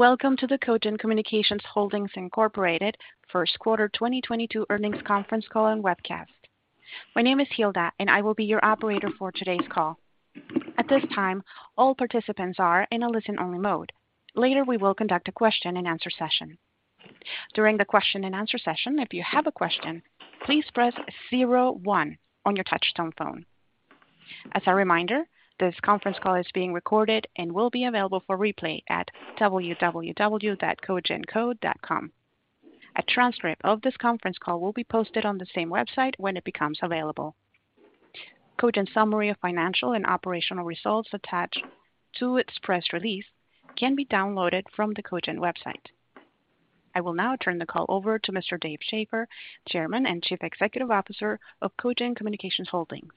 Welcome to the Cogent Communications Holdings, Inc. Q1 2022 Earnings Conference Call and Webcast. My name is Hilda, and I will be your operator for today's call. At this time, all participants are in a listen-only mode. Later, we will conduct a question-and-answer session. During the question-and-answer session, if you have a question, please press zero one on your touchtone phone. As a reminder, this conference call is being recorded and will be available for replay at www.cogentco.com. A transcript of this conference call will be posted on the same website when it becomes available. Cogent's summary of financial and operational results attached to its press release can be downloaded from the Cogent website. I will now turn the call over to Mr. Dave Schaeffer, Chairman and Chief Executive Officer of Cogent Communications Holdings.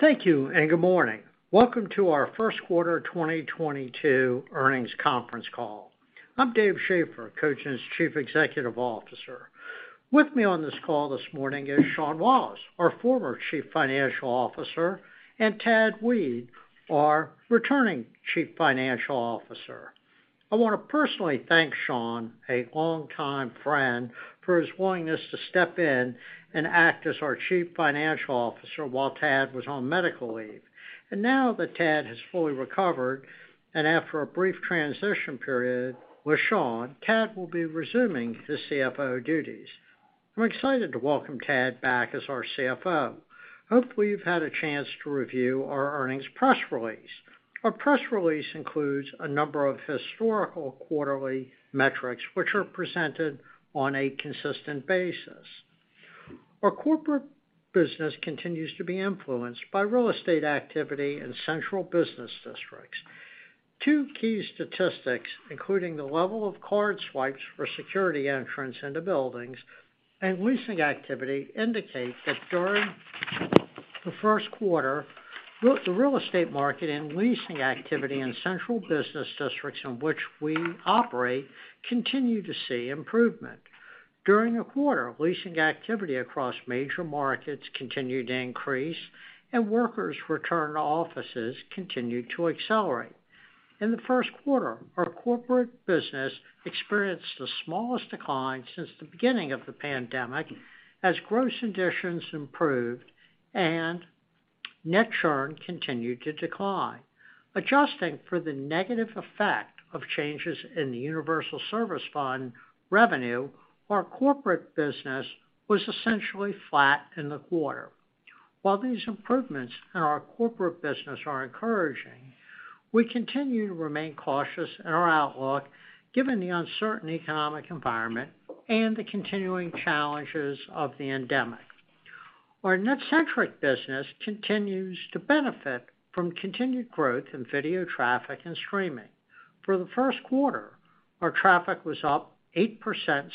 Thank you and good morning. Welcome to our Q1 2022 earnings conference call. I'm Dave Schaeffer, Cogent's Chief Executive Officer. With me on this call this morning is Sean Wallace, our former Chief Financial Officer, and Tad Weed, our returning Chief Financial Officer. I want to personally thank Sean, a longtime friend, for his willingness to step in and act as our Chief Financial Officer while Tad was on medical leave. Now that Tad has fully recovered and after a brief transition period with Sean, Tad will be resuming his CFO duties. I'm excited to welcome Tad back as our CFO. Hopefully, you've had a chance to review our earnings press release. Our press release includes a number of historical quarterly metrics, which are presented on a consistent basis. Our corporate business continues to be influenced by real estate activity in central business districts. Two key statistics, including the level of card swipes for security entrance into buildings and leasing activity, indicate that during the Q1, the real estate market and leasing activity in central business districts in which we operate continue to see improvement. During the quarter, leasing activity across major markets continued to increase, and workers return to offices continued to accelerate. In the Q1, our corporate business experienced the smallest decline since the beginning of the pandemic as gross additions improved and net churn continued to decline. Adjusting for the negative effect of changes in the Universal Service Fund revenue, our corporate business was essentially flat in the quarter. While these improvements in our corporate business are encouraging, we continue to remain cautious in our outlook, given the uncertain economic environment and the continuing challenges of the endemic. Our NetCentric business continues to benefit from continued growth in video traffic and streaming. For the Q1, our traffic was up 8%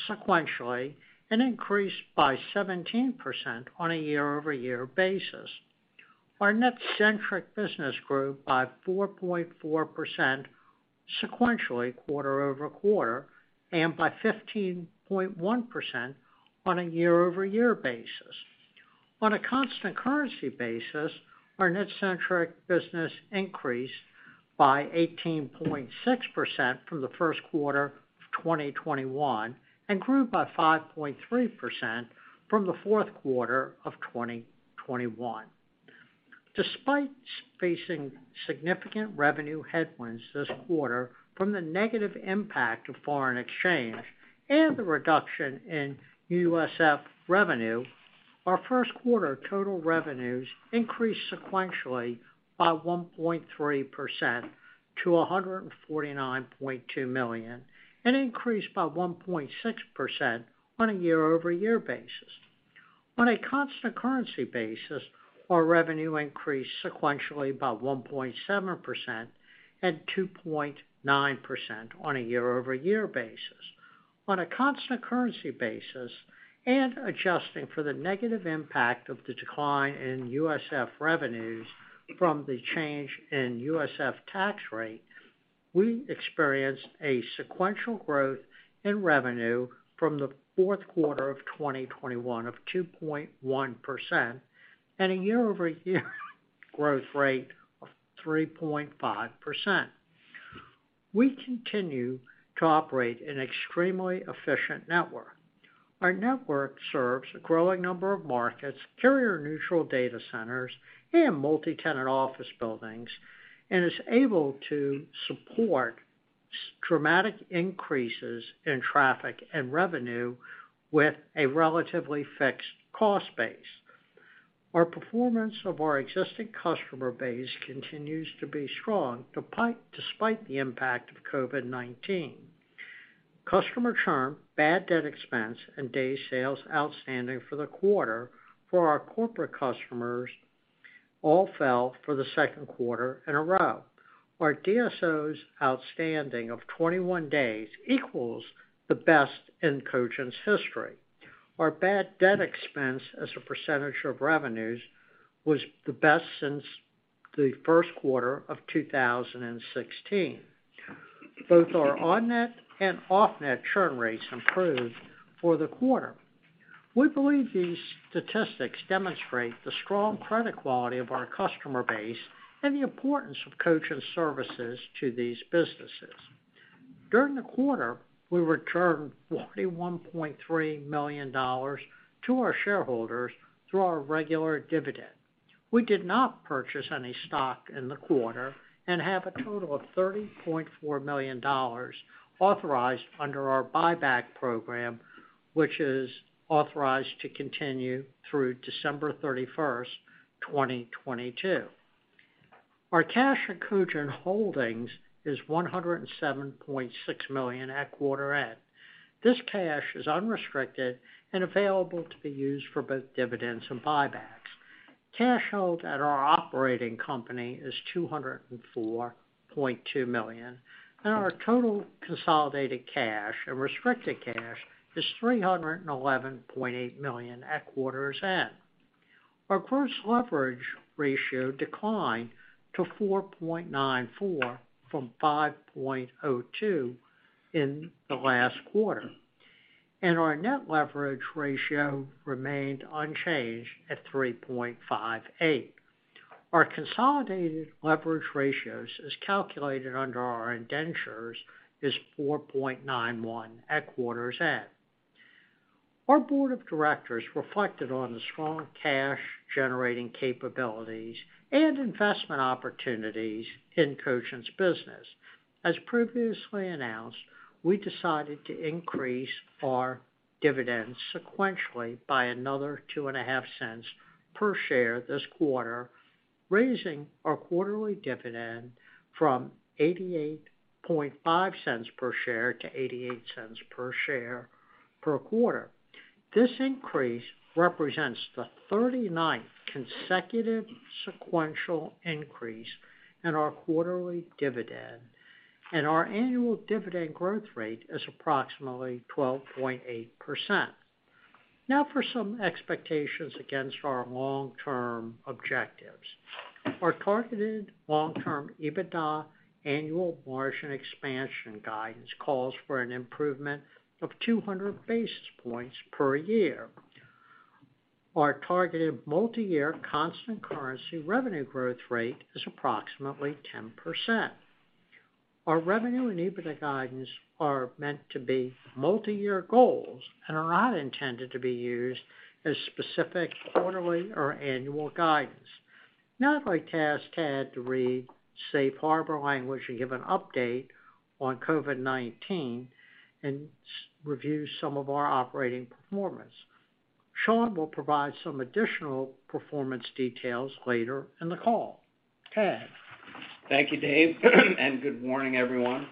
sequentially and increased by 17% on a year-over-year basis. Our NetCentric business grew by 4.4% sequentially quarter-over-quarter and by 15.1% on a year-over-year basis. On a constant currency basis, our NetCentric business increased by 18.6% from the Q1 of 2021 and grew by 5.3% from the Q4 of 2021. Despite facing significant revenue headwinds this quarter from the negative impact of foreign exchange and the reduction in USF revenue, our Q1 total revenues increased sequentially by 1.3% to $149.2 million and increased by 1.6% on a year-over-year basis. On a constant currency basis, our revenue increased sequentially by 1.7% and 2.9% on a year-over-year basis. On a constant currency basis and adjusting for the negative impact of the decline in USF revenues from the change in USF tax rate, we experienced a sequential growth in revenue from the Q4 of 2021 of 2.1% and a year-over-year growth rate of 3.5%. We continue to operate an extremely efficient network. Our network serves a growing number of markets, carrier-neutral data centers, and multi-tenant office buildings, and is able to support dramatic increases in traffic and revenue with a relatively fixed cost base. Our performance of our existing customer base continues to be strong despite the impact of COVID-19. Customer churn, bad debt expense, and day sales outstanding for the quarter for our corporate customers all fell for the Q2 in a row. Our DSO outstanding of 21 days equals the best in Cogent's history. Our bad debt expense as a percentage of revenues was the best since the Q1of 2016. Both our on-net and off-net churn rates improved for the quarter. We believe these statistics demonstrate the strong credit quality of our customer base and the importance of Cogent's services to these businesses. During the quarter, we returned $41.3 million to our shareholders through our regular dividend. We did not purchase any stock in the quarter and have a total of $30.4 million authorized under our buyback program, which is authorized to continue through December 31, 2022. Our cash at Cogent Holdings is $107.6 million at quarter end. This cash is unrestricted and available to be used for both dividends and buybacks. Cash held at our operating company is $204.2 million, and our total consolidated cash and restricted cash is $311.8 million at quarter's end. Our gross leverage ratio declined to 4.94 from 5.02 in the last quarter, and our net leverage ratio remained unchanged at 3.58. Our consolidated leverage ratios, as calculated under our indentures, is 4.91 at quarter's end. Our board of directors reflected on the strong cash-generating capabilities and investment opportunities in Cogent's business. As previously announced, we decided to increase our dividends sequentially by another $0.025 per share this quarter, raising our quarterly dividend from $0.885 per share to $0.91 per share per quarter. This increase represents the 39th consecutive sequential increase in our quarterly dividend, and our annual dividend growth rate is approximately 12.8%. Now for some expectations against our long-term objectives. Our targeted long-term EBITDA annual margin expansion guidance calls for an improvement of 200 basis points per year. Our targeted multiyear constant currency revenue growth rate is approximately 10%. Our revenue and EBITDA guidance are meant to be multiyear goals and are not intended to be used as specific quarterly or annual guidance. Now I'd like to ask Tad to read safe harbor language and give an update on COVID-19 and review some of our operating performance. Sean will provide some additional performance details later in the call. Tad? Thank you, Dave, and good morning, everyone.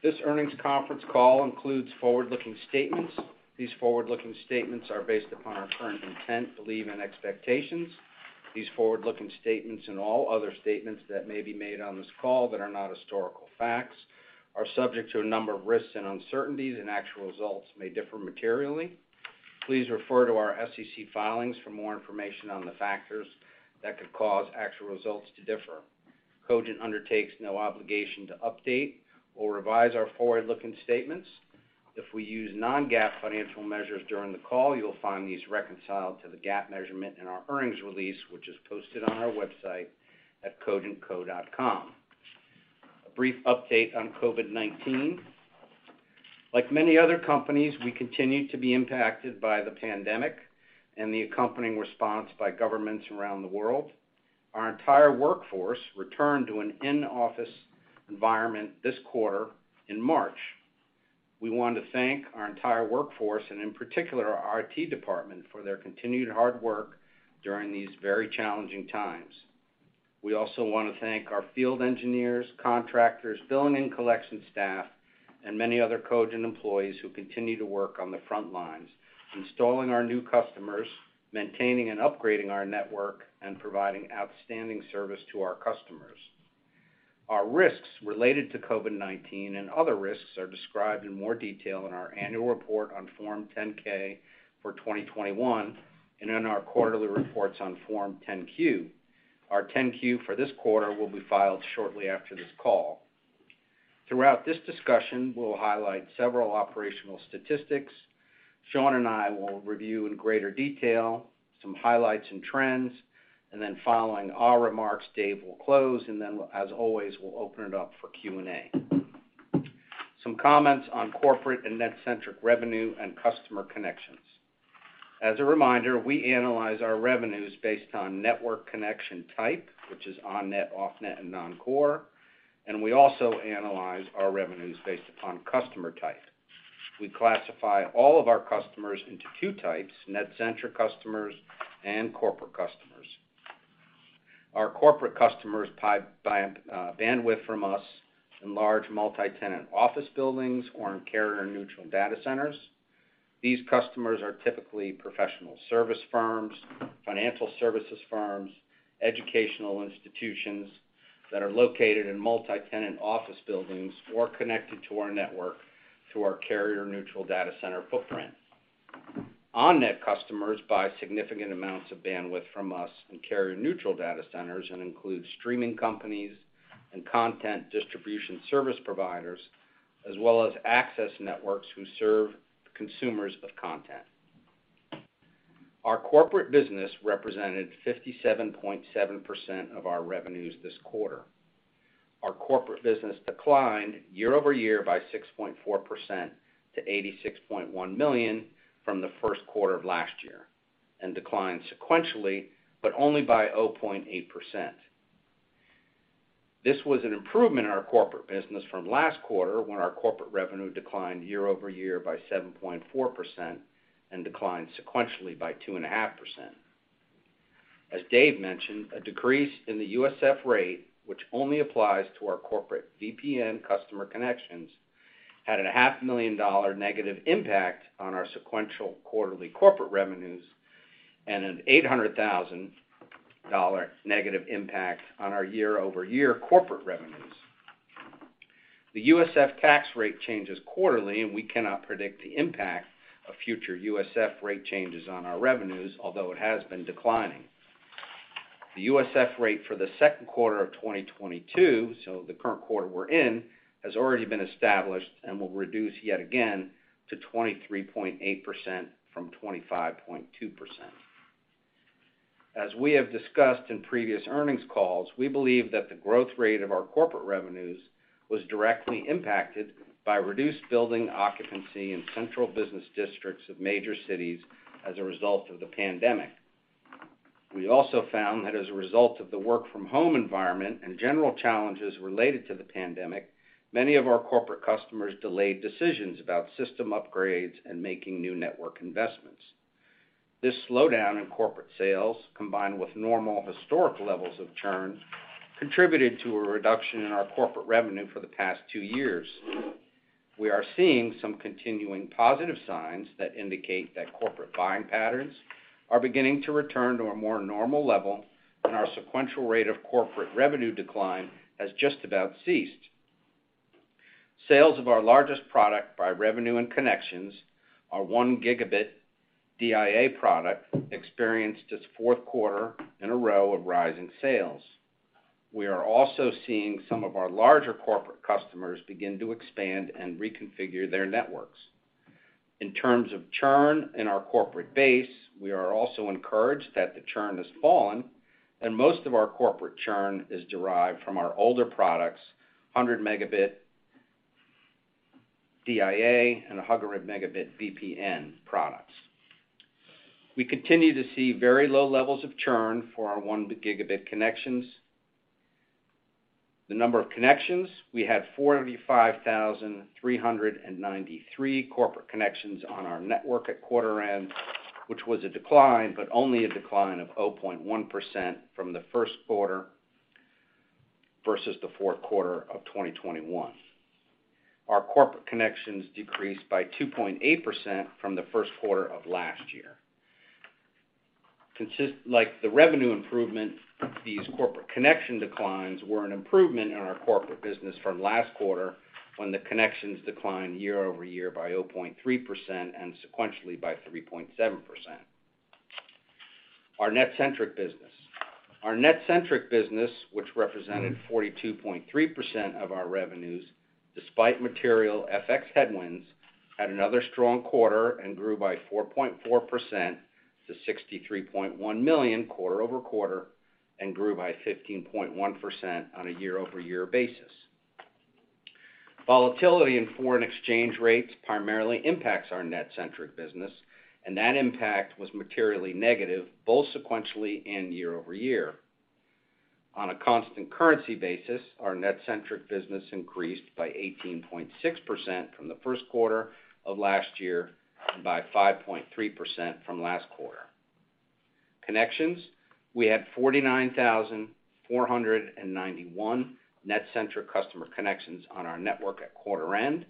This earnings conference call includes forward-looking statements. These forward-looking statements are based upon our current intent, belief, and expectations. These forward-looking statements and all other statements that may be made on this call that are not historical facts are subject to a number of risks and uncertainties, and actual results may differ materially. Please refer to our SEC filings for more information on the factors that could cause actual results to differ. Cogent undertakes no obligation to update or revise our forward-looking statements. If we use non-GAAP financial measures during the call, you will find these reconciled to the GAAP measurement in our earnings release, which is posted on our website at cogentco.com. A brief update on COVID-19. Like many other companies, we continue to be impacted by the pandemic and the accompanying response by governments around the world. Our entire workforce returned to an in-office environment this quarter in March. We want to thank our entire workforce, and in particular, our IT department, for their continued hard work during these very challenging times. We also want to thank our field engineers, contractors, billing and collection staff, and many other Cogent employees who continue to work on the front lines, installing our new customers, maintaining and upgrading our network, and providing outstanding service to our customers. Our risks related to COVID-19 and other risks are described in more detail in our annual report on Form 10-K for 2021 and in our quarterly reports on Form 10-Q. Our 10-Q for this quarter will be filed shortly after this call. Throughout this discussion, we'll highlight several operational statistics. Sean and I will review in greater detail some highlights and trends, and then following our remarks, Dave will close, and then, as always, we'll open it up for Q&A. Some comments on corporate and NetCentric revenue and customer connections. As a reminder, we analyze our revenues based on network connection type, which is on-net, off-net, and non-core, and we also analyze our revenues based upon customer type. We classify all of our customers into two types, NetCentric customers and corporate customers. Our corporate customers buy bandwidth from us in large multi-tenant office buildings or in carrier neutral data centers. These customers are typically professional service firms, financial services firms, educational institutions that are located in multi-tenant office buildings or connected to our network through our carrier neutral data center footprint. On-net customers buy significant amounts of bandwidth from us in carrier-neutral data centers and includes streaming companies and content distribution service providers, as well as access networks who serve consumers of content. Our corporate business represented 57.7% of our revenues this quarter. Our corporate business declined year-over-year by 6.4% to $86.1 million from the Q1 of last year, and declined sequentially, but only by 0.8%. This was an improvement in our corporate business from last quarter, when our corporate revenue declined year-over-year by 7.4% and declined sequentially by 2.5%. As Dave mentioned, a decrease in the USF rate, which only applies to our corporate VPN customer connections, had a $ half a million negative impact on our sequential quarterly corporate revenues and a $800,000 negative impact on our year-over-year corporate revenues. The USF tax rate changes quarterly, and we cannot predict the impact of future USF rate changes on our revenues, although it has been declining. The USF rate for the Q2 of 2022, so the current quarter we're in, has already been established and will reduce yet again to 23.8% from 25.2%. As we have discussed in previous earnings calls, we believe that the growth rate of our corporate revenues was directly impacted by reduced building occupancy in central business districts of major cities as a result of the pandemic. We also found that as a result of the work from home environment and general challenges related to the pandemic, many of our corporate customers delayed decisions about system upgrades and making new network investments. This slowdown in corporate sales, combined with normal historic levels of churn, contributed to a reduction in our corporate revenue for the past two years. We are seeing some continuing positive signs that indicate that corporate buying patterns are beginning to return to a more normal level, and our sequential rate of corporate revenue decline has just about ceased. Sales of our largest product by revenue and connections, our 1 gigabit DIA product, experienced its Q4 in a row of rising sales. We are also seeing some of our larger corporate customers begin to expand and reconfigure their networks. In terms of churn in our corporate base, we are also encouraged that the churn has fallen and most of our corporate churn is derived from our older products, 100 megabit DIA and 100 megabit VPN products. We continue to see very low levels of churn for our 1 gigabit connections. The number of connections, we had 45,393 corporate connections on our network at quarter end, which was a decline, but only a decline of 0.1% from the Q1 versus the Q4 of 2021. Our corporate connections decreased by 2.8% from the Q1 of last year. Like the revenue improvement, these corporate connection declines were an improvement in our corporate business from last quarter, when the connections declined year-over-year by 0.3% and sequentially by 3.7%. Our NetCentric business. Our NetCentric business, which represented 42.3% of our revenues, despite material FX headwinds, had another strong quarter and grew by 4.4% to $63.1 million quarter-over-quarter, and grew by 15.1% on a year-over-year basis. Volatility in foreign exchange rates primarily impacts our NetCentric business, and that impact was materially negative both sequentially and year-over-year. On a constant currency basis, our NetCentric business increased by 18.6% from the Q1 of last year and by 5.3% from last quarter. Connections, we had 49,491 NetCentric customer connections on our network at quarter-end,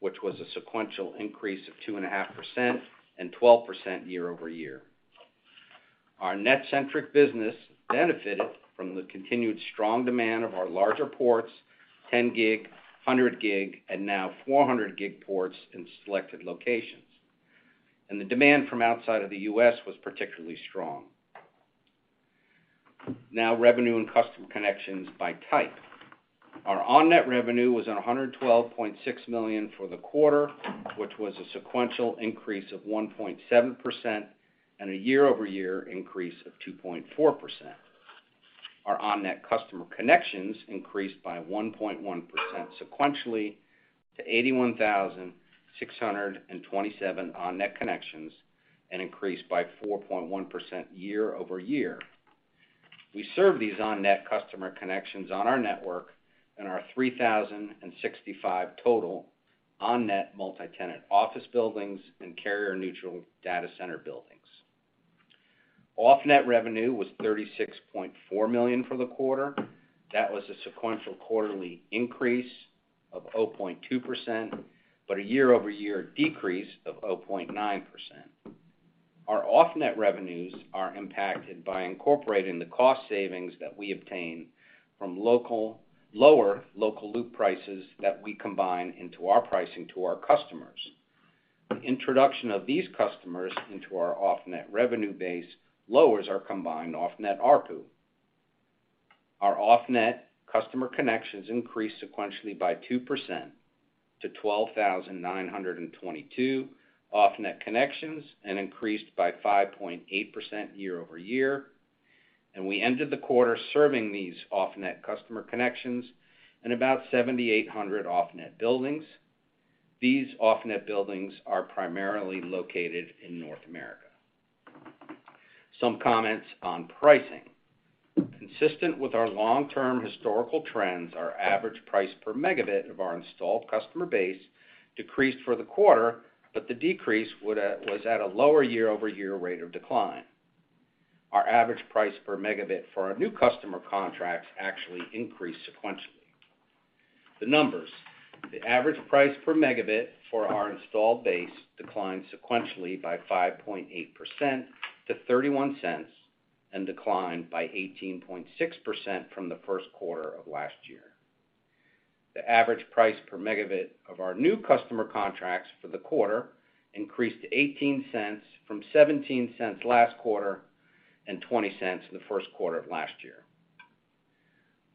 which was a sequential increase of 2.5% and 12% year-over-year. Our NetCentric business benefited from the continued strong demand of our larger ports, 10 gig, 100 gig, and now 400 gig ports in selected locations. The demand from outside of the US was particularly strong. Now revenue and customer connections by type. Our on-net revenue was at $112.6 million for the quarter, which was a sequential increase of 1.7% and a year-over-year increase of 2.4%. Our on-net customer connections increased by 1.1% sequentially to 81,627 on-net connections and increased by 4.1% year-over-year. We serve these on-net customer connections on our network and our 3,065 total on-net multi-tenant office buildings and carrier-neutral data center buildings. Off-net revenue was $36.4 million for the quarter. That was a sequential quarterly increase of 0.2%, but a year-over-year decrease of 0.9%. Our off-net revenues are impacted by incorporating the cost savings that we obtain from local lower local loop prices that we combine into our pricing to our customers. The introduction of these customers into our off-net revenue base lowers our combined off-net ARPU. Our off-net customer connections increased sequentially by 2% to 12,922 off-net connections, and increased by 5.8% year-over-year. We ended the quarter serving these off-net customer connections in about 7,800 off-net buildings. These off-net buildings are primarily located in North America. Some comments on pricing. Consistent with our long-term historical trends, our average price per megabit of our installed customer base decreased for the quarter, but the decrease was at a lower year-over-year rate of decline. Our average price per megabit for our new customer contracts actually increased sequentially. The numbers. The average price per megabit for our installed base declined sequentially by 5.8% to $0.31, and declined by 18.6% from the Q1 of last year. The average price per megabit of our new customer contracts for the quarter increased to $0.18 from $0.17 last quarter, and $0.20 in the Q1 of last year.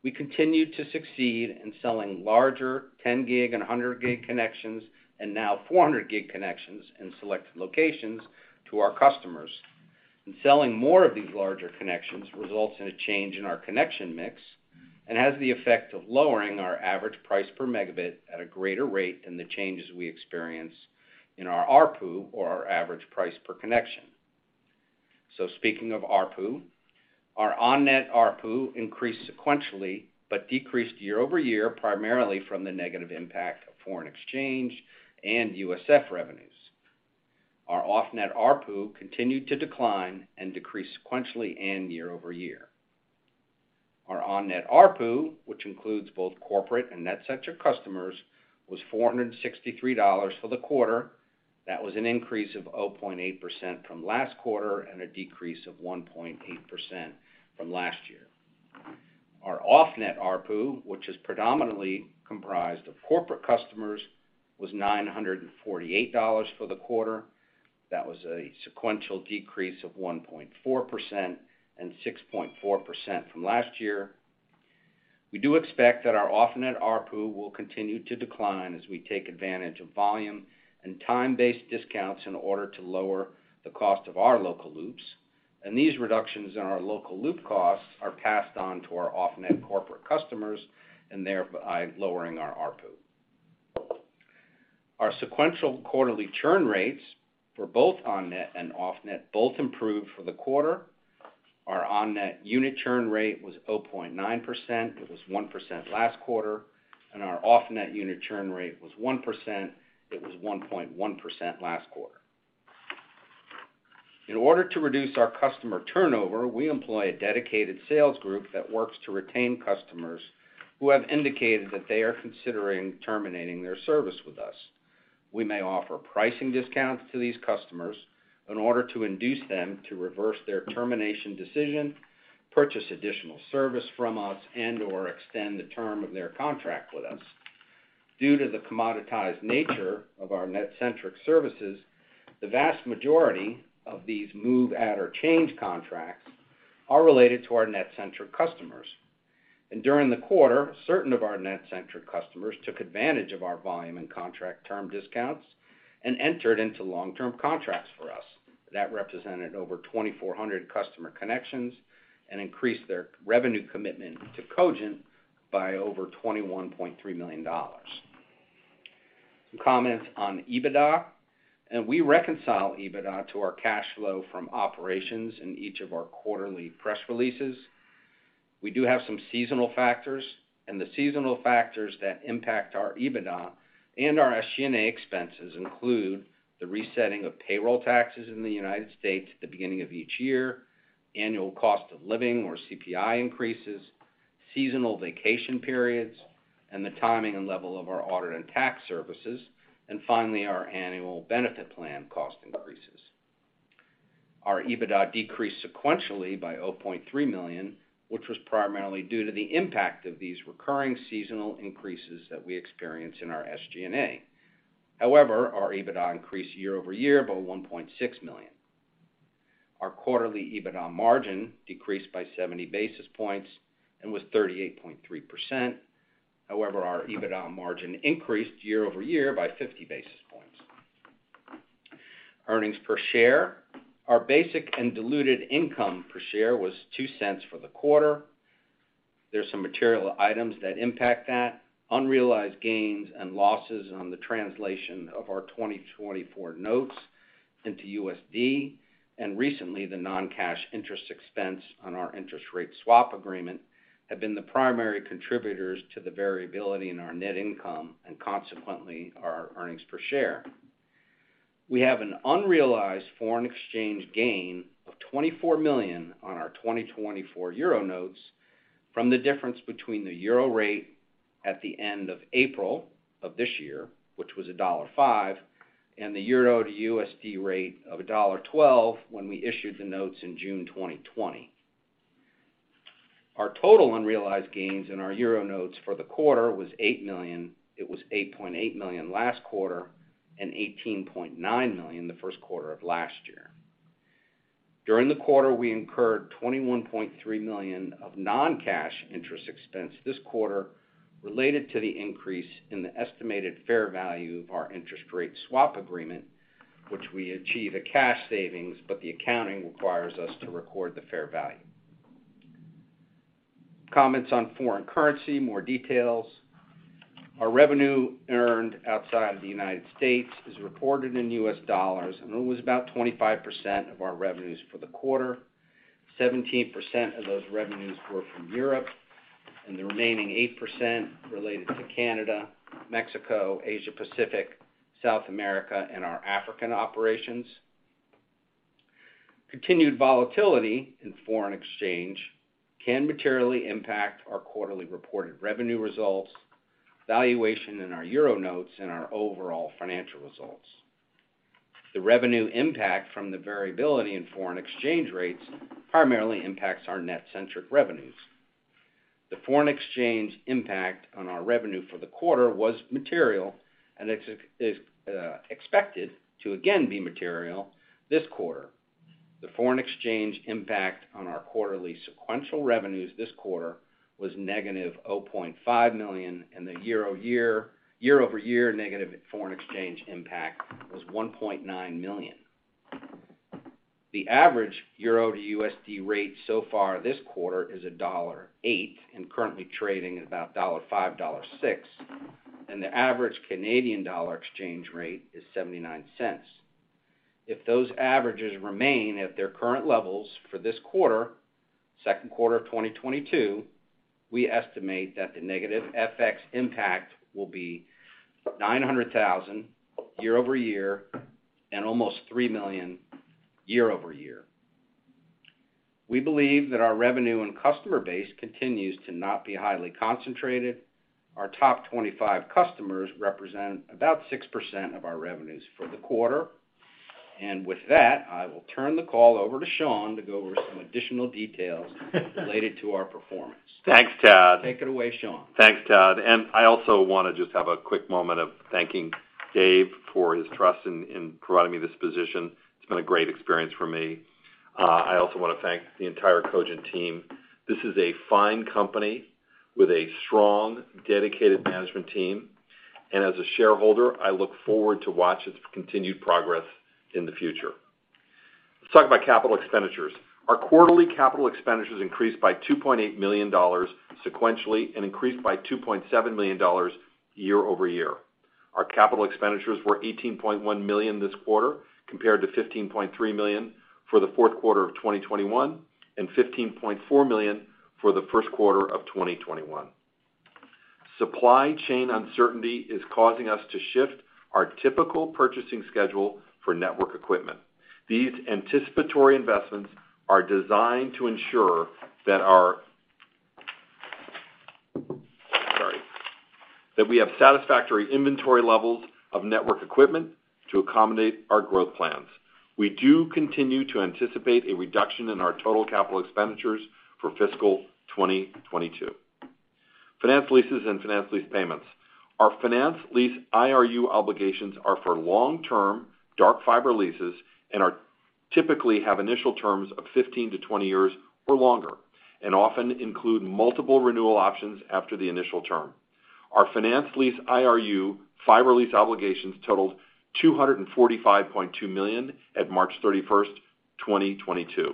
We continued to succeed in selling larger 10 gig and 100 gig connections, and now 400 gig connections in select locations to our customers. Selling more of these larger connections results in a change in our connection mix, and has the effect of lowering our average price per megabit at a greater rate than the changes we experience in our ARPU or our average price per connection. Speaking of ARPU, our on-net ARPU increased sequentially, but decreased year over year, primarily from the negative impact of foreign exchange and USF revenues. Our off-net ARPU continued to decline and decreased sequentially and year over year. Our on-net ARPU, which includes both corporate and NetCentric customers, was $463 for the quarter. That was an increase of 0.8% from last quarter, and a decrease of 1.8% from last year. Our off-net ARPU, which is predominantly comprised of corporate customers, was $948 for the quarter. That was a sequential decrease of 1.4% and 6.4% from last year. We do expect that our off-net ARPU will continue to decline as we take advantage of volume and time-based discounts in order to lower the cost of our local loops, and these reductions in our local loop costs are passed on to our off-net corporate customers, and thereby lowering our ARPU. Our sequential quarterly churn rates for both on-net and off-net both improved for the quarter. Our on-net unit churn rate was 0.9%. It was 1% last quarter. Our off-net unit churn rate was 1%. It was 1.1% last quarter. In order to reduce our customer turnover, we employ a dedicated sales group that works to retain customers who have indicated that they are considering terminating their service with us. We may offer pricing discounts to these customers in order to induce them to reverse their termination decision, purchase additional service from us, and/or extend the term of their contract with us. Due to the commoditized nature of our NetCentric services, the vast majority of these move, add, or change contracts are related to our NetCentric customers. During the quarter, certain of our NetCentric customers took advantage of our volume and contract term discounts and entered into long-term contracts for us. That represented over 2,400 customer connections and increased their revenue commitment to Cogent by over $21.3 million. Some comments on EBITDA, and we reconcile EBITDA to our cash flow from operations in each of our quarterly press releases. We do have some seasonal factors, and the seasonal factors that impact our EBITDA and our SG&A expenses include the resetting of payroll taxes in the United States at the beginning of each year, annual cost of living or CPI increases, seasonal vacation periods, and the timing and level of our audit and tax services, and finally, our annual benefit plan cost increases. Our EBITDA decreased sequentially by $0.3 million, which was primarily due to the impact of these recurring seasonal increases that we experience in our SG&A. However, our EBITDA increased year-over-year by $1.6 million. Our quarterly EBITDA margin decreased by 70 basis points and was 38.3%. However, our EBITDA margin increased year-over-year by 50 basis points. Earnings per share. Our basic and diluted income per share was $0.02 for the quarter. There's some material items that impact that. Unrealized gains and losses on the translation of our 2024 notes into USD, and recently the non-cash interest expense on our interest rate swap agreement have been the primary contributors to the variability in our net income, and consequently, our earnings per share. We have an unrealized foreign exchange gain of $24 million on our 2024 euro notes from the difference between the euro rate at the end of April of this year, which was $1.05, and the euro to USD rate of $1.12 when we issued the notes in June 2020. Our total unrealized gains in our euro notes for the quarter was $8 million. It was $8.8 million last quarter, and $18.9 million the Q1 of last year. During the quarter, we incurred $21.3 million of non-cash interest expense this quarter related to the increase in the estimated fair value of our interest rate swap agreement, which we achieve a cash savings, but the accounting requires us to record the fair value. Comments on foreign currency, more details. Our revenue earned outside of the United States is reported in U.S. dollars, and it was about 25% of our revenues for the quarter. 17% of those revenues were from Europe, and the remaining 8% related to Canada, Mexico, Asia Pacific, South America, and our African operations. Continued volatility in foreign exchange can materially impact our quarterly reported revenue results, valuation in our euro notes, and our overall financial results. The revenue impact from the variability in foreign exchange rates primarily impacts our NetCentric revenues. The foreign exchange impact on our revenue for the quarter was material and is expected to again be material this quarter. The foreign exchange impact on our quarterly sequential revenues this quarter was negative $0.5 million, and the year-over-year negative foreign exchange impact was $1.9 million. The average euro to USD rate so far this quarter is $1.08 and currently trading at about $1.05, $1.06, and the average Canadian dollar exchange rate is 79 cents. If those averages remain at their current levels for this quarter, Q2 of 2022, we estimate that the negative FX impact will be $900,000 year-over-year and almost $3 million year-over-year. We believe that our revenue and customer base continues to not be highly concentrated. Our top 25 customers represent about 6% of our revenues for the quarter. With that, I will turn the call over to Sean to go over some additional details related to our performance. Thanks, Tad. Take it away, Sean. Thanks, Tad. I also want to just have a quick moment of thanking Dave for his trust in providing me this position. It's been a great experience for me. I also want to thank the entire Cogent team. This is a fine company with a strong, dedicated management team. As a shareholder, I look forward to watch its continued progress in the future. Let's talk about capital expenditures. Our quarterly capital expenditures increased by $2.8 million sequentially and increased by $2.7 million year-over-year. Our capital expenditures were $18.1 million this quarter, compared to $15.3 million for the Q4 of 2021 and $15.4 million for the Q1 of 2021. Supply chain uncertainty is causing us to shift our typical purchasing schedule for network equipment. These anticipatory investments are designed to ensure that we have satisfactory inventory levels of network equipment to accommodate our growth plans. We do continue to anticipate a reduction in our total capital expenditures for fiscal 2022. Finance leases and finance lease payments. Our finance lease IRU obligations are for long-term dark fiber leases and typically have initial terms of 15 to 20 years or longer and often include multiple renewal options after the initial term. Our finance lease IRU fiber lease obligations totaled $245.2 million at March 31, 2022.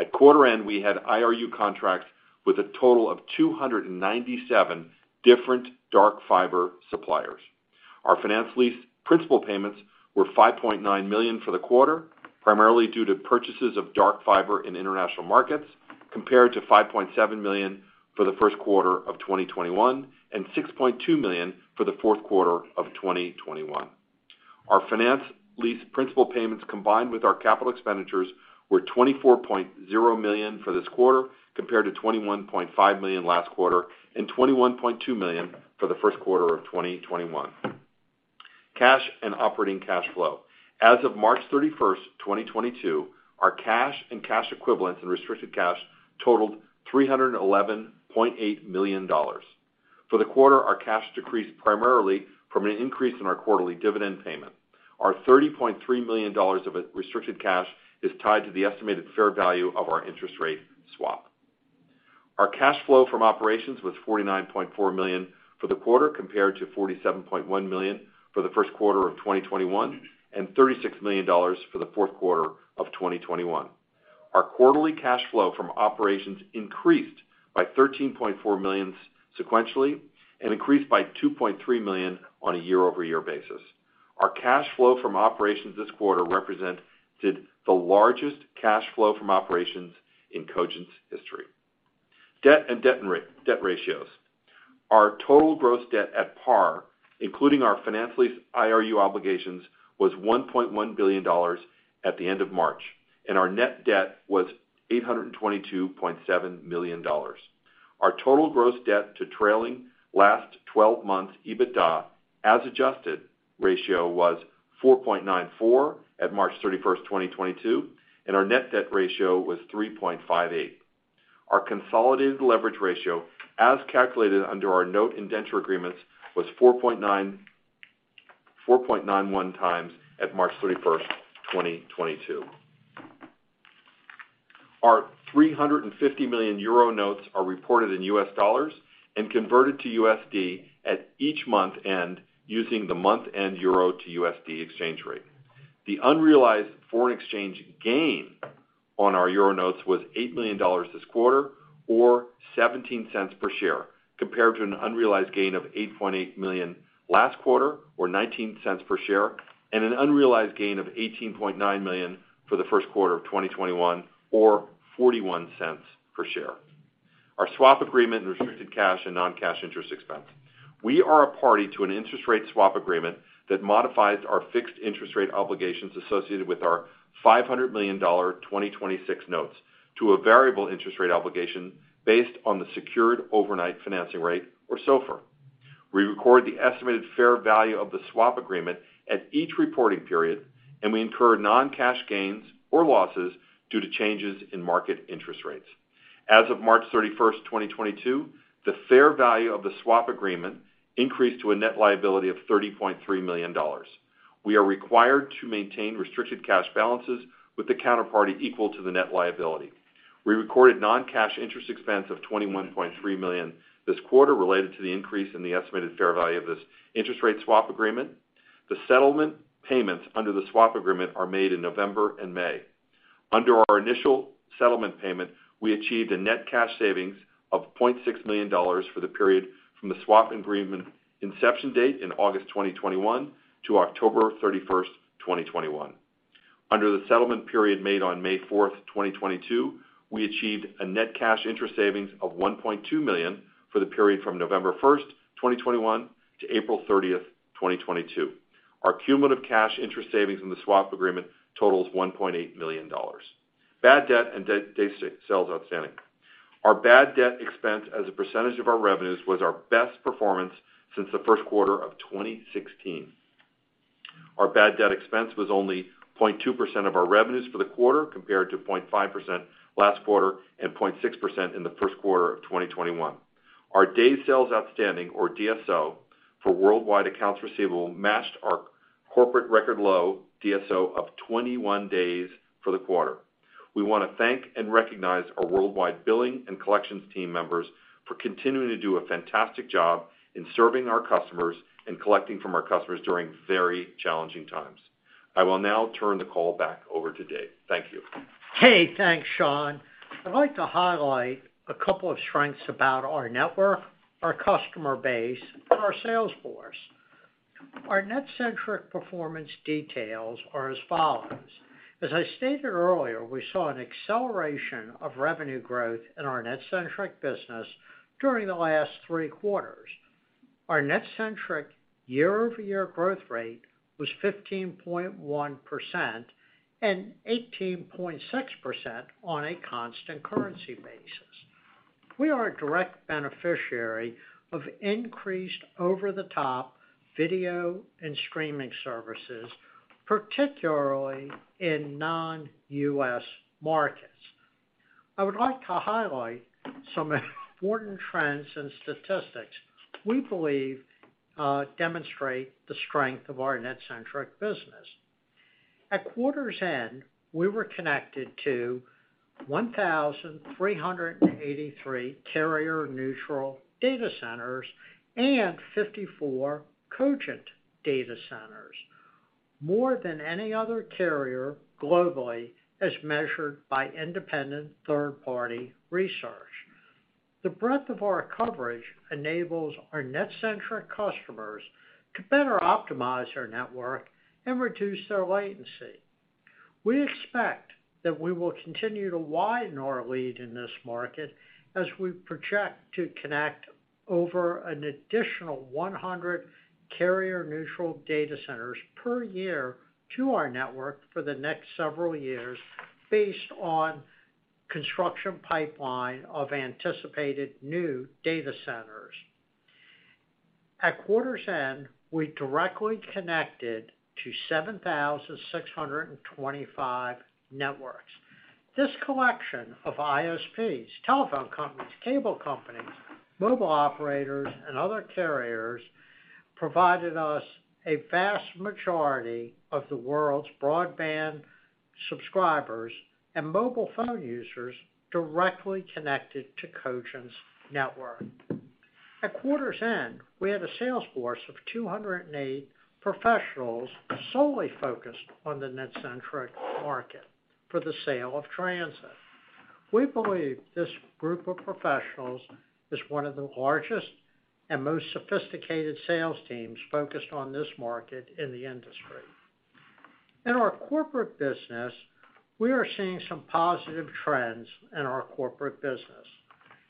At quarter end, we had IRU contracts with a total of 297 different dark fiber suppliers. Our finance lease principal payments were $5.9 million for the quarter, primarily due to purchases of dark fiber in international markets, compared to $5.7 million for the Q1 of 2021 and $6.2 million for the Q4 of 2021. Our finance lease principal payments, combined with our capital expenditures, were $24.0 million for this quarter, compared to $21.5 million last quarter and $21.2 million for the Q1 of 2021. Cash and operating cash flow. As of March 31, 2022, our cash and cash equivalents and restricted cash totaled $311.8 million. For the quarter, our cash decreased primarily from an increase in our quarterly dividend payment. Our $30.3 million of restricted cash is tied to the estimated fair value of our interest rate swap. Our cash flow from operations was $49.4 million for the quarter, compared to $47.1 million for the Q1 of 2021 and $36 million for the Q4 of 2021. Our quarterly cash flow from operations increased by $13.4 million sequentially and increased by $2.3 million on a year-over-year basis. Our cash flow from operations this quarter represented the largest cash flow from operations in Cogent's history. Debt and debt ratios. Our total gross debt at par, including our finance lease IRU obligations, was $1.1 billion at the end of March, and our net debt was $822.7 million. Our total gross debt to trailing last twelve months EBITDA, as adjusted, ratio was 4.94 at March 31, 2022, and our net debt ratio was 3.58. Our consolidated leverage ratio, as calculated under our note indenture agreements, was 4.91 times at March 31, 2022. Our 350 million euro notes are reported in US dollars and converted to USD at each month end using the month end euro to USD exchange rate. The unrealized foreign exchange gain on our euro notes was $8 million this quarter, or $0.17 per share, compared to an unrealized gain of $8.8 million last quarter, or $0.19 per share, and an unrealized gain of $18.9 million for the Q1 of 2021, or $0.41 per share. Our swap agreement, restricted cash and non-cash interest expense. We are a party to an interest rate swap agreement that modifies our fixed interest rate obligations associated with our $500 million 2026 notes to a variable interest rate obligation based on the secured overnight financing rate, or SOFR. We record the estimated fair value of the swap agreement at each reporting period, and we incur non-cash gains or losses due to changes in market interest rates. As of March 31, 2022, the fair value of the swap agreement increased to a net liability of $30.3 million. We are required to maintain restricted cash balances with the counterparty equal to the net liability. We recorded non-cash interest expense of $21.3 million this quarter related to the increase in the estimated fair value of this interest rate swap agreement. The settlement payments under the swap agreement are made in November and May. Under our initial settlement payment, we achieved a net cash savings of $0.6 million for the period from the swap agreement inception date in August 2021 to October 31, 2021. Under the settlement period made on May 4, 2022, we achieved a net cash interest savings of $1.2 million for the period from November 1, 2021 to April 30, 2022. Our cumulative cash interest savings in the swap agreement totals $1.8 million. Bad debt and day sales outstanding. Our bad debt expense as a percentage of our revenues was our best performance since the Q1 of 2016. Our bad debt expense was only 0.2% of our revenues for the quarter, compared to 0.5% last quarter and 0.6% in the Q1 of 2021. Our days sales outstanding, or DSO, for worldwide accounts receivable matched our corporate record low DSO of 21 days for the quarter. We want to thank and recognize our worldwide billing and collections team members for continuing to do a fantastic job in serving our customers and collecting from our customers during very challenging times. I will now turn the call back over to Dave. Thank you. Hey, thanks, Sean. I'd like to highlight a couple of strengths about our network, our customer base, and our sales force. Our NetCentric performance details are as follows. As I stated earlier, we saw an acceleration of revenue growth in our NetCentric business during the last three quarters. Our NetCentric year-over-year growth rate was 15.1% and 18.6% on a constant currency basis. We are a direct beneficiary of increased over the top video and streaming services, particularly in non-US markets. I would like to highlight some important trends and statistics we believe demonstrate the strength of our NetCentric business. At quarter's end, we were connected to 1,383 carrier neutral data centers and 54 Cogent data centers, more than any other carrier globally as measured by independent third party research. The breadth of our coverage enables our NetCentric customers to better optimize their network and reduce their latency. We expect that we will continue to widen our lead in this market as we project to connect over an additional 100 carrier neutral data centers per year to our network for the next several years based on construction pipeline of anticipated new data centers. At quarter's end, we directly connected to 7,625 networks. This collection of ISPs, telephone companies, cable companies, mobile operators, and other carriers provided us a vast majority of the world's broadband subscribers and mobile phone users directly connected to Cogent's network. At quarter's end, we had a sales force of 208 professionals solely focused on the NetCentric market for the sale of transit. We believe this group of professionals is one of the largest and most sophisticated sales teams focused on this market in the industry. In our corporate business, we are seeing some positive trends in our corporate business.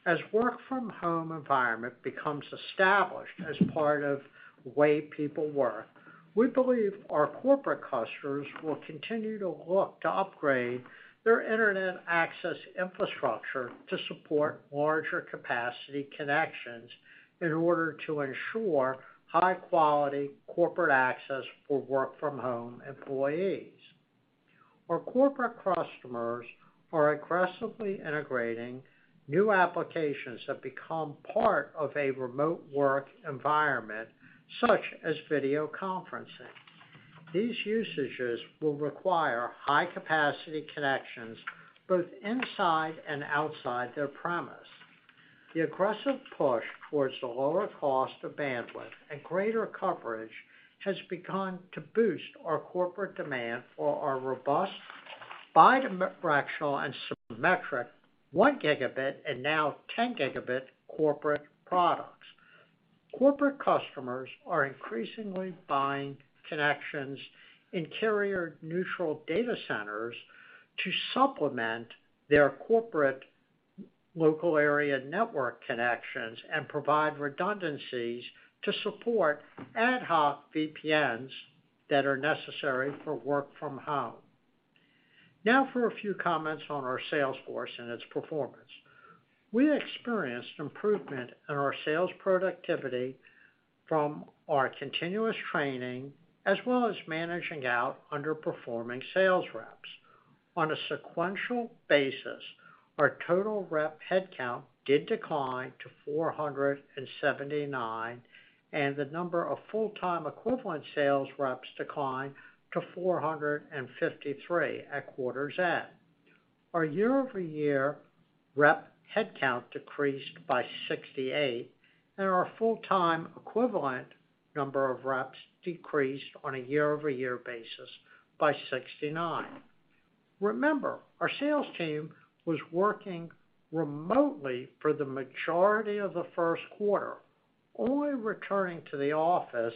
As work from home environment becomes established as part of the way people work, we believe our corporate customers will continue to look to upgrade their internet access infrastructure to support larger capacity connections in order to ensure high quality corporate access for work from home employees. Our corporate customers are aggressively integrating new applications that become part of a remote work environment, such as video conferencing. These usages will require high capacity connections both inside and outside their premises. The aggressive push towards the lower cost of bandwidth and greater coverage has begun to boost our corporate demand for our robust bi-directional and symmetric 1 gigabit and now 10 gigabit corporate products. Corporate customers are increasingly buying connections in carrier neutral data centers to supplement their corporate local area network connections and provide redundancies to support ad hoc VPNs that are necessary for work from home. Now for a few comments on our sales force and its performance. We experienced improvement in our sales productivity from our continuous training as well as managing out underperforming sales reps. On a sequential basis, our total rep headcount did decline to 479, and the number of full-time equivalent sales reps declined to 453 at quarter's end. Our year-over-year rep headcount decreased by 68, and our full-time equivalent number of reps decreased on a year-over-year basis by 69. Remember, our sales team was working remotely for the majority of the Q1, only returning to the office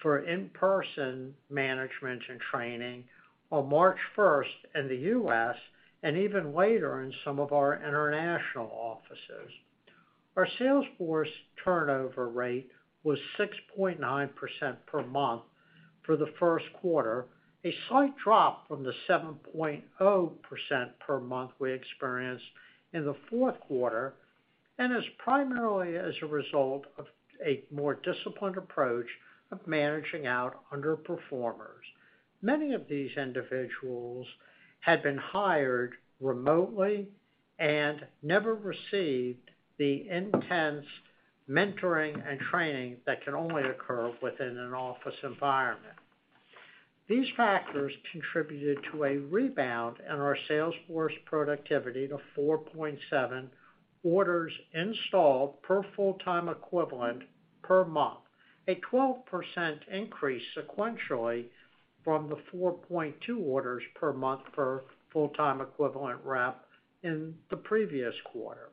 for in-person management and training on March 1 in the US, and even later in some of our international offices. Our sales force turnover rate was 6.9% per month for the Q1, a slight drop from the 7.0% per month we experienced in the Q4, and is primarily as a result of a more disciplined approach of managing out underperformers. Many of these individuals had been hired remotely and never received the intense mentoring and training that can only occur within an office environment. These factors contributed to a rebound in our sales force productivity to 4.7 orders installed per full-time equivalent per month, a 12% increase sequentially from the 4.2 orders per month for full-time equivalent rep in the previous quarter.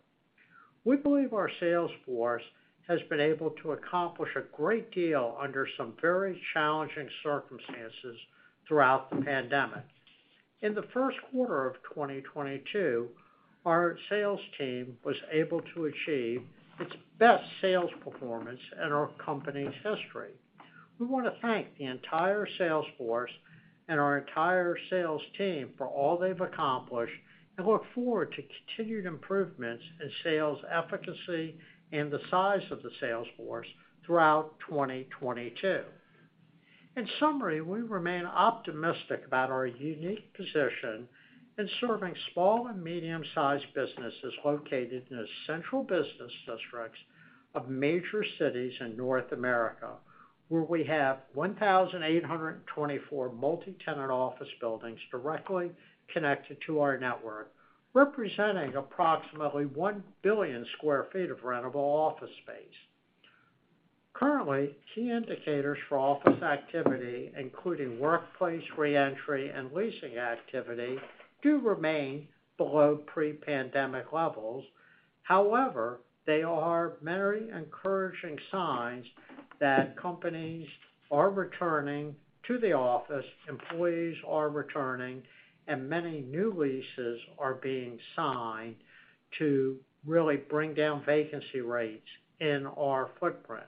We believe our sales force has been able to accomplish a great deal under some very challenging circumstances throughout the pandemic. In the Q1 of 2022, our sales team was able to achieve its best sales performance in our company's history. We want to thank the entire sales force and our entire sales team for all they've accomplished, and look forward to continued improvements in sales efficacy and the size of the sales force throughout 2022. In summary, we remain optimistic about our unique position in serving small and medium-sized businesses located in the central business districts of major cities in North America, where we have 1,824 multi-tenant office buildings directly connected to our network, representing approximately 1 billion sq ft of rentable office space. Currently, key indicators for office activity, including workplace reentry and leasing activity, do remain below pre-pandemic levels. However, there are many encouraging signs that companies are returning to the office, employees are returning, and many new leases are being signed to really bring down vacancy rates in our footprint.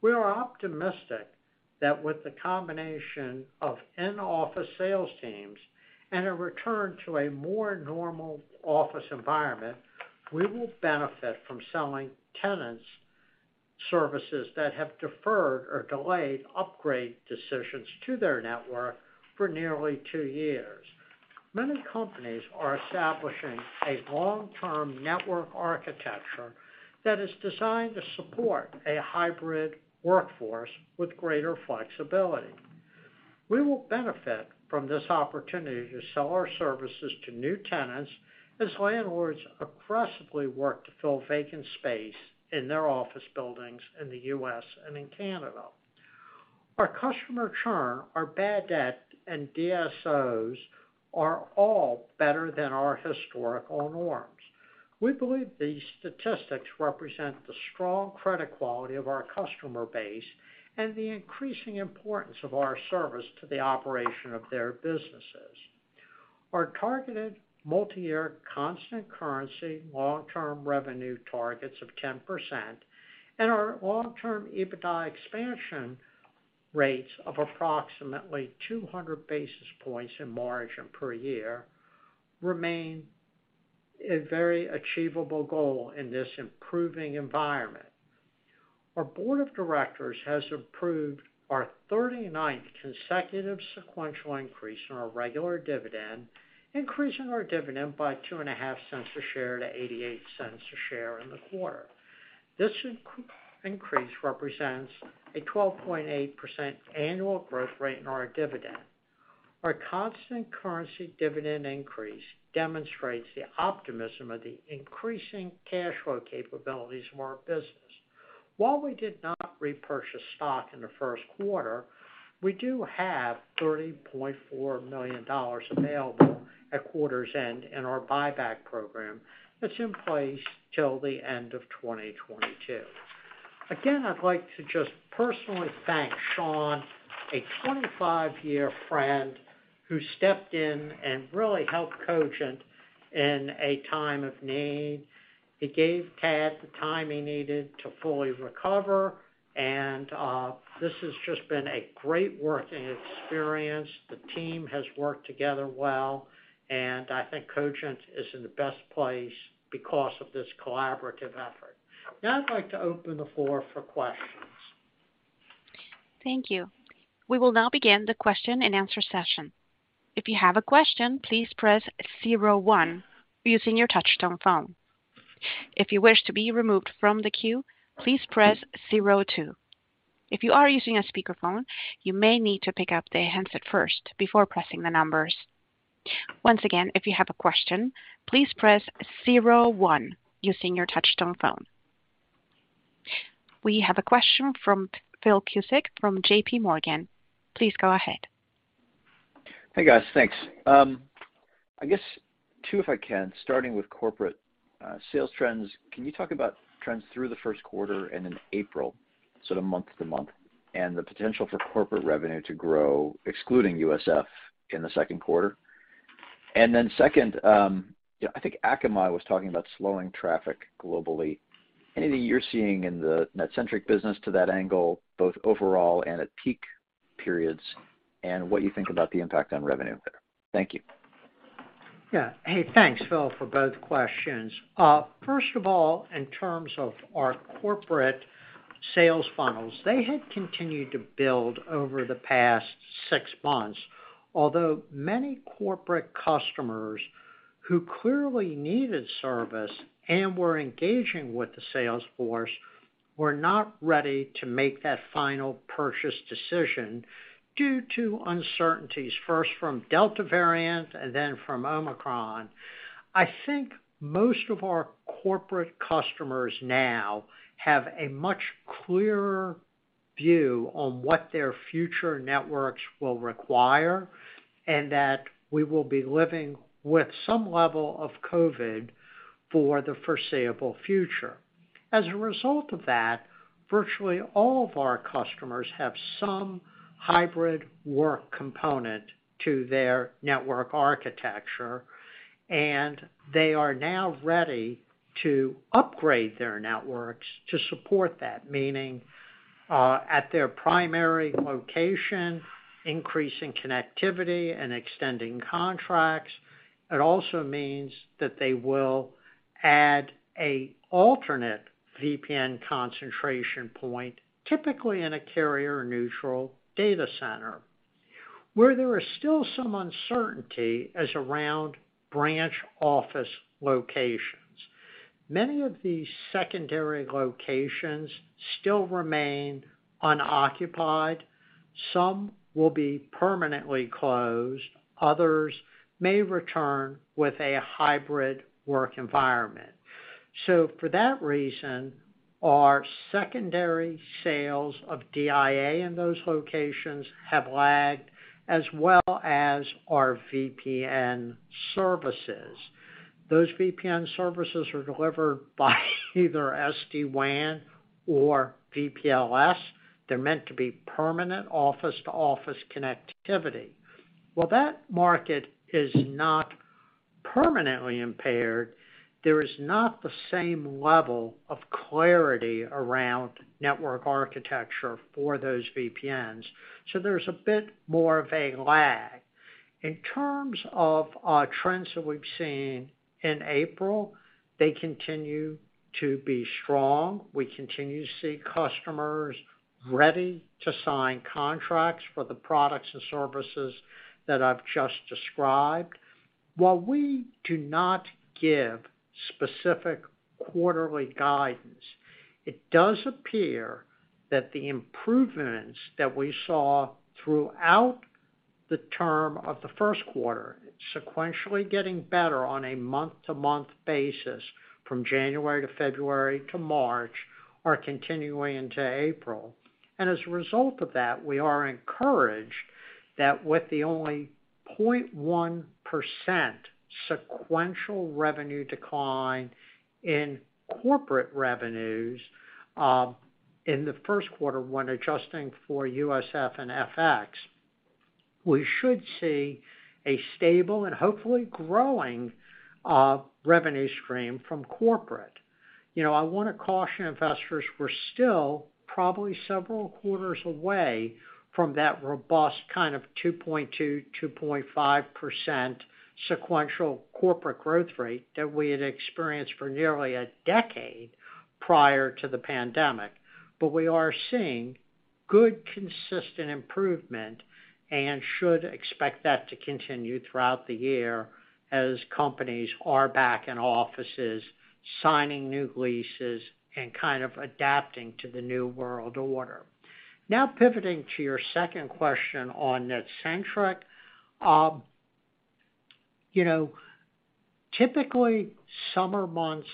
We are optimistic that with the combination of in-office sales teams and a return to a more normal office environment, we will benefit from selling tenants services that have deferred or delayed upgrade decisions to their network for nearly two years. Many companies are establishing a long-term network architecture that is designed to support a hybrid workforce with greater flexibility. We will benefit from this opportunity to sell our services to new tenants as landlords aggressively work to fill vacant space in their office buildings in the U.S. and in Canada. Our customer churn, our bad debt and DSOs are all better than our historical norms. We believe these statistics represent the strong credit quality of our customer base and the increasing importance of our service to the operation of their businesses. Our targeted multi-year constant currency long-term revenue targets of 10% and our long-term EBITDA expansion rates of approximately 200 basis points in margin per year remain a very achievable goal in this improving environment. Our board of directors has approved our 39th consecutive sequential increase in our regular dividend, increasing our dividend by $0.025 a share to $0.88 a share in the quarter. This increase represents a 12.8% annual growth rate in our dividend. Our constant currency dividend increase demonstrates the optimism of the increasing cash flow capabilities of our business. While we did not repurchase stock in the Q1, we do have $30.4 million available at quarter's end in our buyback program that's in place till the end of 2022. Again, I'd like to just personally thank Sean, a 25-year friend who stepped in and really helped Cogent in a time of need. He gave Tad the time he needed to fully recover, and this has just been a great working experience. The team has worked together well, and I think Cogent is in the best place because of this collaborative effort. Now I'd like to open the floor for questions. Thank you. We will now begin the question-and-answer session. If you have a question, please press zero one using your touchtone phone. If you wish to be removed from the queue, please press zero two. If you are using a speakerphone, you may need to pick up the handset first before pressing the numbers. Once again, if you have a question, please press zero one using your touchtone phone. We have a question from Philip Cusick from JPMorgan. Please go ahead. Hey, guys. Thanks. I guess two, if I can, starting with corporate sales trends. Can you talk about trends through the Q1 and in April, so the month to month, and the potential for corporate revenue to grow, excluding USF, in the Q2? Then second, you know, I think Akamai was talking about slowing traffic globally. Anything you're seeing in the NetCentric business to that angle, both overall and at peak periods, and what you think about the impact on revenue there? Thank you. Yeah. Hey, thanks, Phil, for both questions. First of all, in terms of our corporate sales funnels, they had continued to build over the past 6 months. Although many corporate customers who clearly needed service and were engaging with the sales force were not ready to make that final purchase decision due to uncertainties, first from Delta variant and then from Omicron. I think most of our corporate customers now have a much clearer view on what their future networks will require and that we will be living with some level of COVID for the foreseeable future. As a result of that, virtually all of our customers have some hybrid work component to their network architecture, and they are now ready to upgrade their networks to support that. Meaning, at their primary location, increasing connectivity and extending contracts. It also means that they will add an alternate VPN concentration point, typically in a carrier-neutral data center. Where there is still some uncertainty is around branch office locations. Many of these secondary locations still remain unoccupied. Some will be permanently closed. Others may return with a hybrid work environment. For that reason, our secondary sales of DIA in those locations have lagged as well as our VPN services. Those VPN services are delivered by either SD-WAN or VPLS. They're meant to be permanent office-to-office connectivity. While that market is not permanently impaired, there is not the same level of clarity around network architecture for those VPNs, so there's a bit more of a lag. In terms of our trends that we've seen in April, they continue to be strong. We continue to see customers ready to sign contracts for the products and services that I've just described. While we do not give specific quarterly guidance, it does appear that the improvements that we saw throughout the term of the Q1, sequentially getting better on a month-to-month basis from January to February to March are continuing into April. As a result of that, we are encouraged that with the only 0.1% sequential revenue decline in corporate revenues in the Q1 when adjusting for USF and FX, we should see a stable and hopefully growing revenue stream from corporate. You know, I want to caution investors we're still probably several quarters away from that robust kind of 2.2%-2.5% sequential corporate growth rate that we had experienced for nearly a decade prior to the pandemic. We are seeing good consistent improvement, and should expect that to continue throughout the year as companies are back in offices, signing new leases, and kind of adapting to the new world order. Now pivoting to your second question on NetCentric. You know, typically, summer months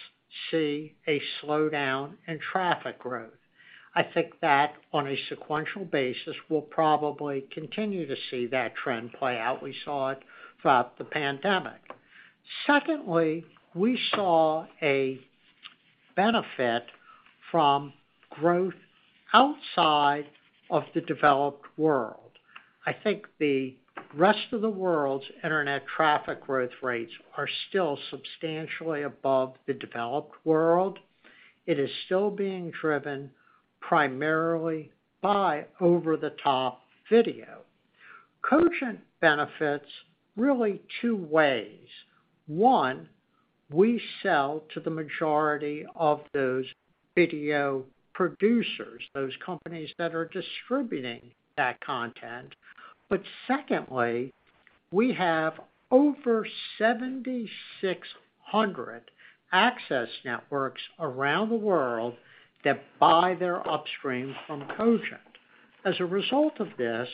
see a slowdown in traffic growth. I think that on a sequential basis, we'll probably continue to see that trend play out. We saw it throughout the pandemic. Secondly, we saw a benefit from growth outside of the developed world. I think the rest of the world's internet traffic growth rates are still substantially above the developed world. It is still being driven primarily by over-the-top video. Cogent benefits really two ways. One, we sell to the majority of those video producers, those companies that are distributing that content. Secondly, we have over 7,600 access networks around the world that buy their upstream from Cogent. As a result of this,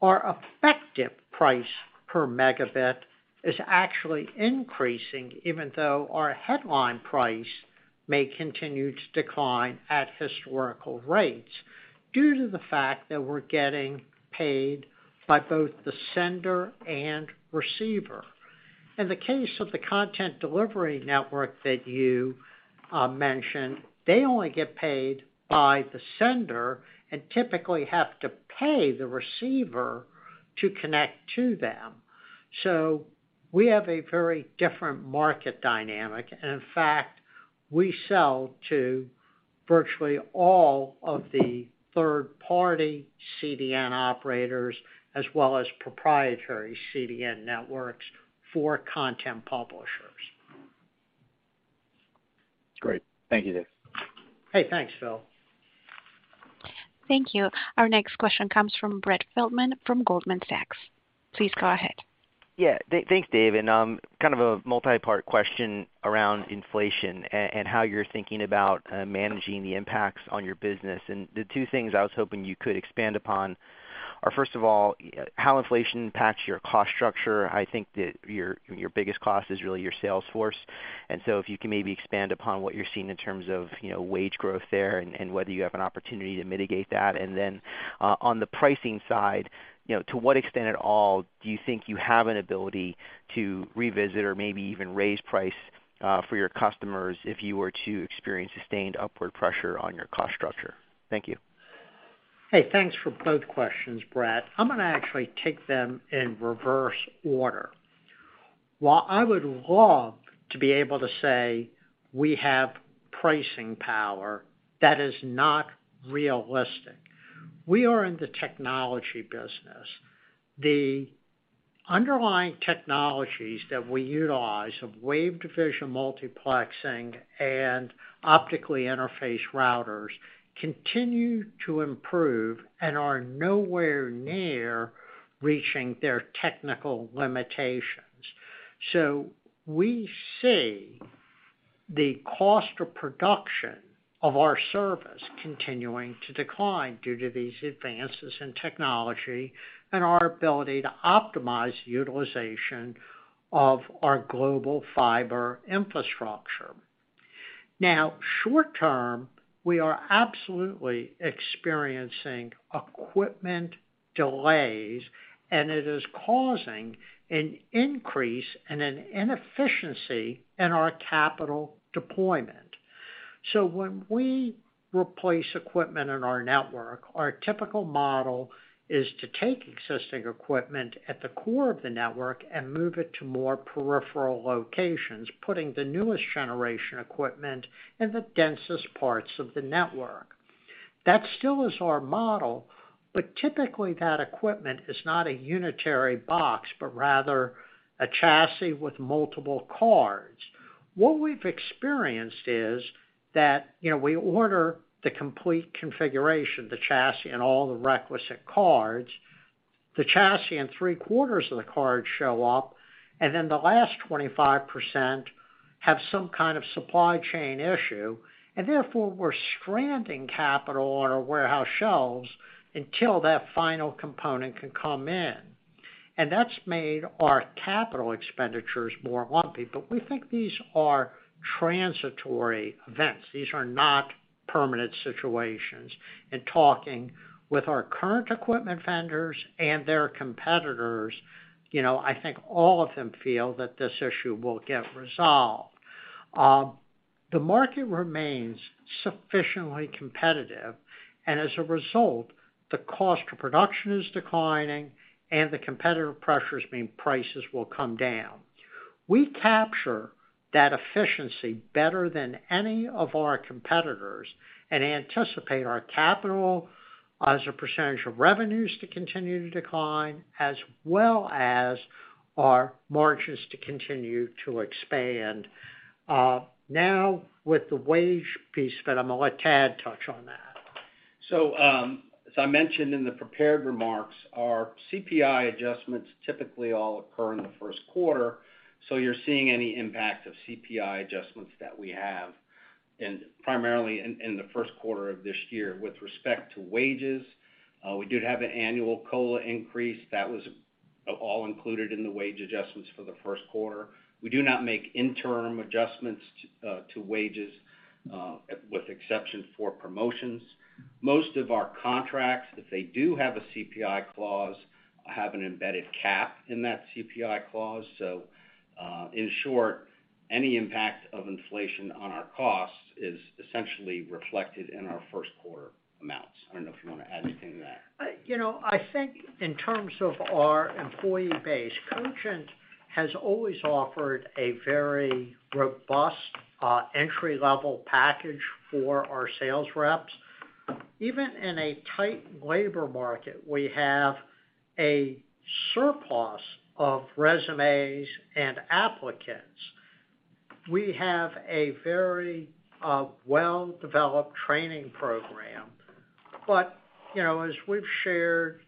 our effective price per megabit is actually increasing, even though our headline price may continue to decline at historical rates due to the fact that we're getting paid by both the sender and receiver. In the case of the content delivery network that you mentioned, they only get paid by the sender and typically have to pay the receiver to connect to them. We have a very different market dynamic, and in fact, we sell to virtually all of the third-party CDN operators as well as proprietary CDN networks for content publishers. Great. Thank you, Dave. Hey, thanks, Phil. Thank you. Our next question comes from Brett Feldman from Goldman Sachs. Please go ahead. Yeah. Thanks, Dave. Kind of a multipart question around inflation and how you're thinking about managing the impacts on your business. The two things I was hoping you could expand upon are, first of all, how inflation impacts your cost structure. I think that your biggest cost is really your sales force, and so if you can maybe expand upon what you're seeing in terms of, you know, wage growth there and whether you have an opportunity to mitigate that. Then, on the pricing side, you know, to what extent at all do you think you have an ability to revisit or maybe even raise price for your customers if you were to experience sustained upward pressure on your cost structure? Thank you. Hey, thanks for both questions, Brett. I'm going to actually take them in reverse order. While I would love to be able to say we have pricing power, that is not realistic. We are in the technology business. The underlying technologies that we utilize of Wavelength Division Multiplexing and optical interface routers continue to improve and are nowhere near reaching their technical limitations. We see the cost of production of our service continuing to decline due to these advances in technology and our ability to optimize utilization of our global fiber infrastructure. Now, short term, we are absolutely experiencing equipment delays, and it is causing an increase and an inefficiency in our capital deployment. When we replace equipment in our network, our typical model is to take existing equipment at the core of the network and move it to more peripheral locations, putting the newest generation equipment in the densest parts of the network. That still is our model, but typically that equipment is not a unitary box, but rather a chassis with multiple cards. What we've experienced is that, you know, we order the complete configuration, the chassis and all the requisite cards. The chassis and three-quarters of the cards show up, and then the last 25% have some kind of supply chain issue, and therefore we're stranding capital on our warehouse shelves until that final component can come in. That's made our capital expenditures more lumpy. We think these are transitory events. These are not permanent situations. In talking with our current equipment vendors and their competitors, you know, I think all of them feel that this issue will get resolved. The market remains sufficiently competitive, and as a result, the cost of production is declining and the competitive pressures mean prices will come down. We capture that efficiency better than any of our competitors and anticipate our capital as a percentage of revenues to continue to decline, as well as our margins to continue to expand. Now with the wage piece, but I'm going to let Tad touch on that. As I mentioned in the prepared remarks, our CPI adjustments typically all occur in the Q1, so you're seeing any impact of CPI adjustments that we have and primarily in the Q1 of this year. With respect to wages, we did have an annual COLA increase that was all included in the wage adjustments for the Q1. We do not make interim adjustments to wages with exception for promotions. Most of our contracts, if they do have a CPI clause, have an embedded cap in that CPI clause. In short, any impact of inflation on our costs is essentially reflected in our first-quarter amounts. I don't know if you want to add anything to that. You know, I think in terms of our employee base, Cogent has always offered a very robust, entry-level package for our sales reps. Even in a tight labor market, we have a surplus of resumes and applicants. We have a very, well-developed training program. You know, as we've shared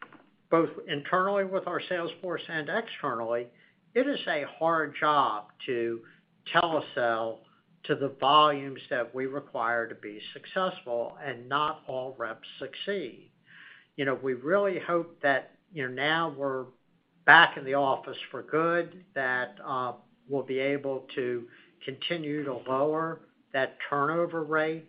both internally with our sales force and externally, it is a hard job to telesell to the volumes that we require to be successful, and not all reps succeed. You know, we really hope that, you know, now we're back in the office for good, that, we'll be able to continue to lower that turnover rate.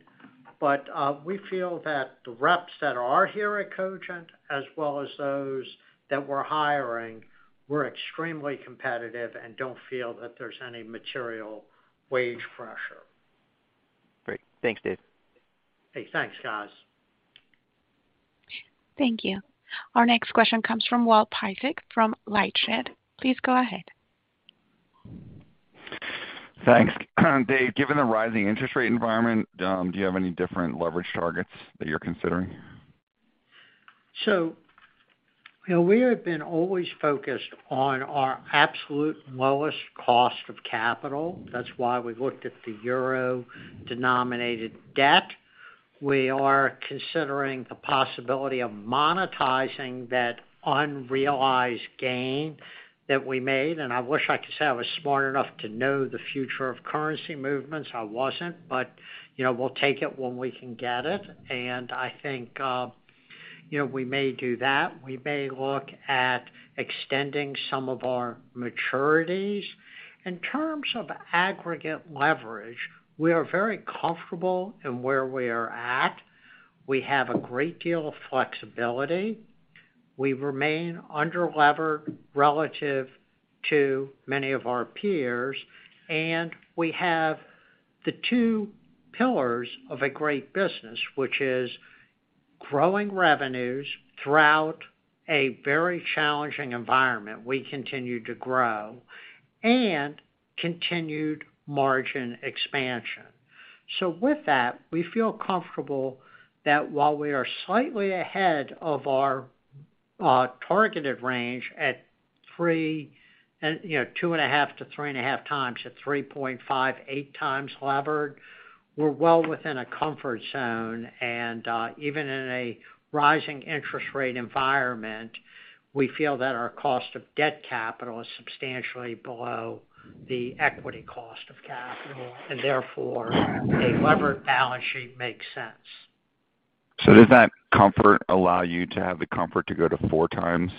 We feel that the reps that are here at Cogent as well as those that we're hiring, we're extremely competitive and don't feel that there's any material wage pressure. Great. Thanks, Dave. Hey, thanks, guys. Thank you. Our next question comes from Walter Piecyk from LightShed. Please go ahead. Thanks. Dave, given the rising interest rate environment, do you have any different leverage targets that you're considering? You know, we have been always focused on our absolute lowest cost of capital. That's why we looked at the euro-denominated debt. We are considering the possibility of monetizing that unrealized gain that we made, and I wish I could say I was smart enough to know the future of currency movements. I wasn't. You know, we'll take it when we can get it, and I think, you know, we may do that. We may look at extending some of our maturities. In terms of aggregate leverage, we are very comfortable in where we are at. We have a great deal of flexibility. We remain under-levered relative to many of our peers, and we have the two pillars of a great business, which is growing revenues throughout a very challenging environment. We continue to grow, and continued margin expansion. With that, we feel comfortable that while we are slightly ahead of our targeted range, you know, 2.5x-3.5x to 3.58x levered, we're well within a comfort zone. Even in a rising interest rate environment, we feel that our cost of debt capital is substantially below the equity cost of capital. Therefore, a levered balance sheet makes sense. Does that comfort allow you to have the comfort to go to 4x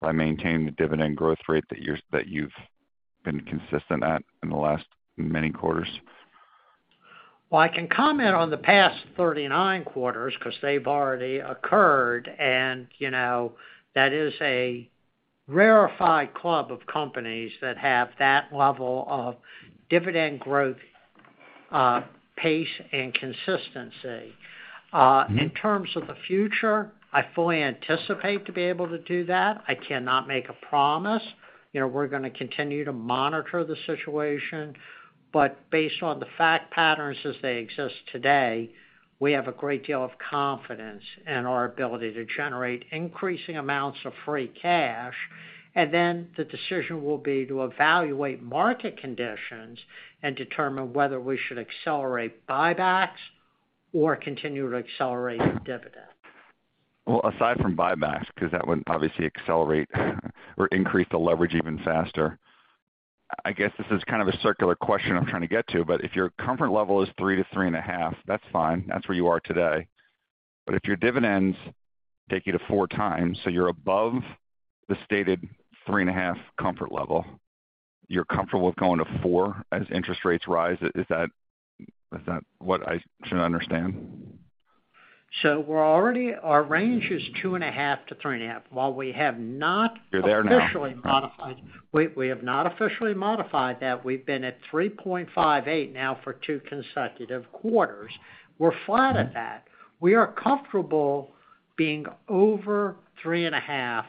by maintaining the dividend growth rate that you've been consistent at in the last many quarters? Well, I can comment on the past 39 quarters 'cause they've already occurred, and, you know, that is a rarefied club of companies that have that level of dividend growth, pace, and consistency. Mm-hmm. In terms of the future, I fully anticipate to be able to do that. I cannot make a promise. You know, we're going to continue to monitor the situation, but based on the fact patterns as they exist today, we have a great deal of confidence in our ability to generate increasing amounts of free cash. The decision will be to evaluate market conditions and determine whether we should accelerate buybacks or continue to accelerate the dividend. Well, aside from buybacks, 'cause that wouldn't obviously accelerate or increase the leverage even faster. I guess this is kind of a circular question I'm trying to get to, but if your comfort level is 3-3.5, that's fine. That's where you are today. If your dividends take you to 4 times, so you're above the stated 3.5 comfort level, you're comfortable with going to four as interest rates rise. Is that what I should understand? Our range is 2.5-3.5. While we have not- You're there now. We have not officially modified that. We've been at 3.58% now for 2 consecutive quarters. We're flat at that. We are comfortable being over 3.5%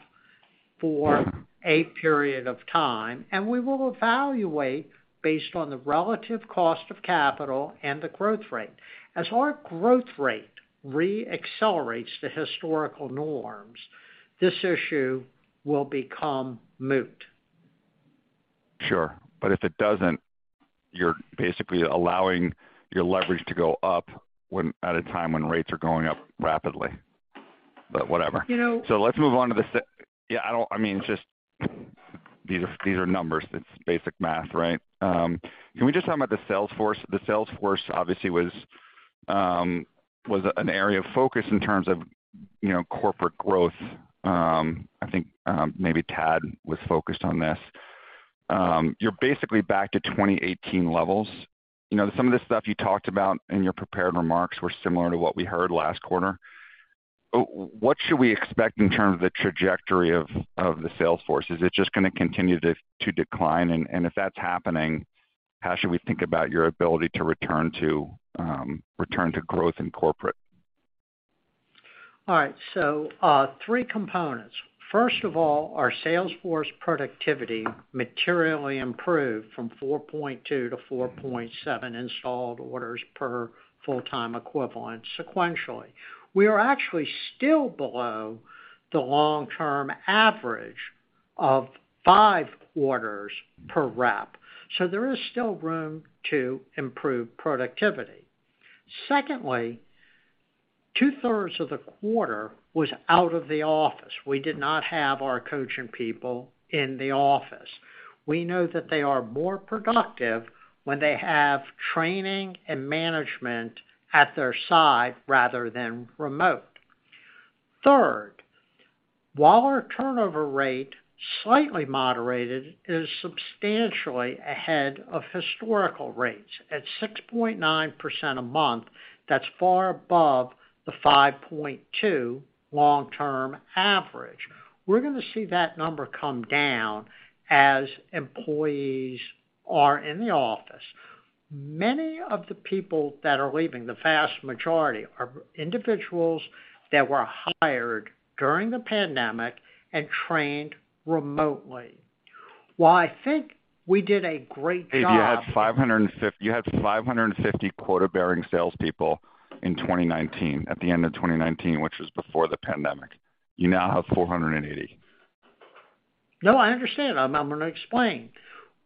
for a period of time, and we will evaluate based on the relative cost of capital and the growth rate. As our growth rate re-accelerates to historical norms, this issue will become moot. Sure. If it doesn't, you're basically allowing your leverage to go up at a time when rates are going up rapidly. Whatever. You know. Yeah, I don't. I mean, it's just these are numbers. It's basic math, right? Can we just talk about the sales force? The sales force obviously was an area of focus in terms of, you know, corporate growth. I think maybe Tad was focused on this. You're basically back to 2018 levels. You know, some of the stuff you talked about in your prepared remarks were similar to what we heard last quarter. What should we expect in terms of the trajectory of the sales force? Is it just going to continue to decline? If that's happening, how should we think about your ability to return to growth in corporate? All right, three components. First of all, our sales force productivity materially improved from 4.2 to 4.7 installed orders per full-time equivalent sequentially. We are actually still below the long-term average of five orders per rep, so there is still room to improve productivity. Secondly, two-thirds of the quarter was out of the office. We did not have our coaching people in the office. We know that they are more productive when they have training and management at their side rather than remote. Third, while our turnover rate slightly moderated, is substantially ahead of historical rates. At 6.9% a month, that's far above the 5.2 long-term average. We're going to see that number come down as employees are in the office. Many of the people that are leaving, the vast majority, are individuals that were hired during the pandemic and trained remotely. While I think we did a great job. Dave, you had 550 quota-bearing salespeople in 2019, at the end of 2019, which was before the pandemic. You now have 480. No, I understand. I'm going to explain.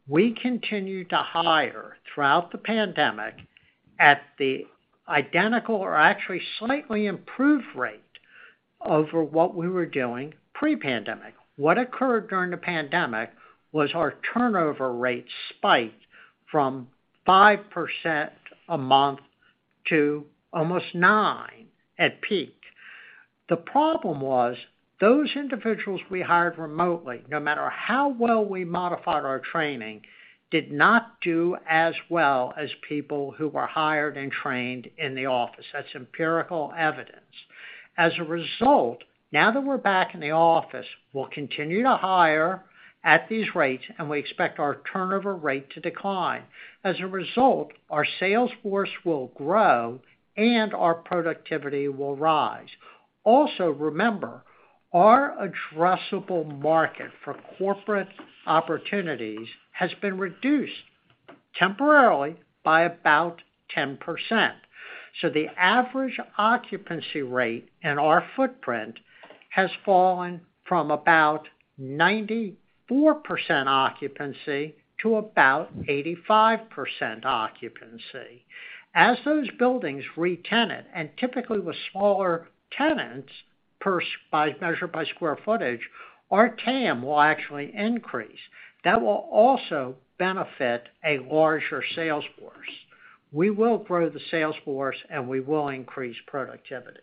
We continued to hire throughout the pandemic at the identical or actually slightly improved rate over what we were doing pre-pandemic. What occurred during the pandemic was our turnover rate spiked from 5% a month to almost 9% at peak. The problem was those individuals we hired remotely, no matter how well we modified our training, did not do as well as people who were hired and trained in the office. That's empirical evidence. As a result, now that we're back in the office, we'll continue to hire at these rates, and we expect our turnover rate to decline. As a result, our sales force will grow and our productivity will rise. Also, remember, our addressable market for corporate opportunities has been reduced temporarily by about 10%. The average occupancy rate in our footprint has fallen from about 94% occupancy to about 85% occupancy. As those buildings retenant, and typically with smaller tenants, as measured by square footage, our TAM will actually increase. That will also benefit a larger sales force. We will grow the sales force, and we will increase productivity.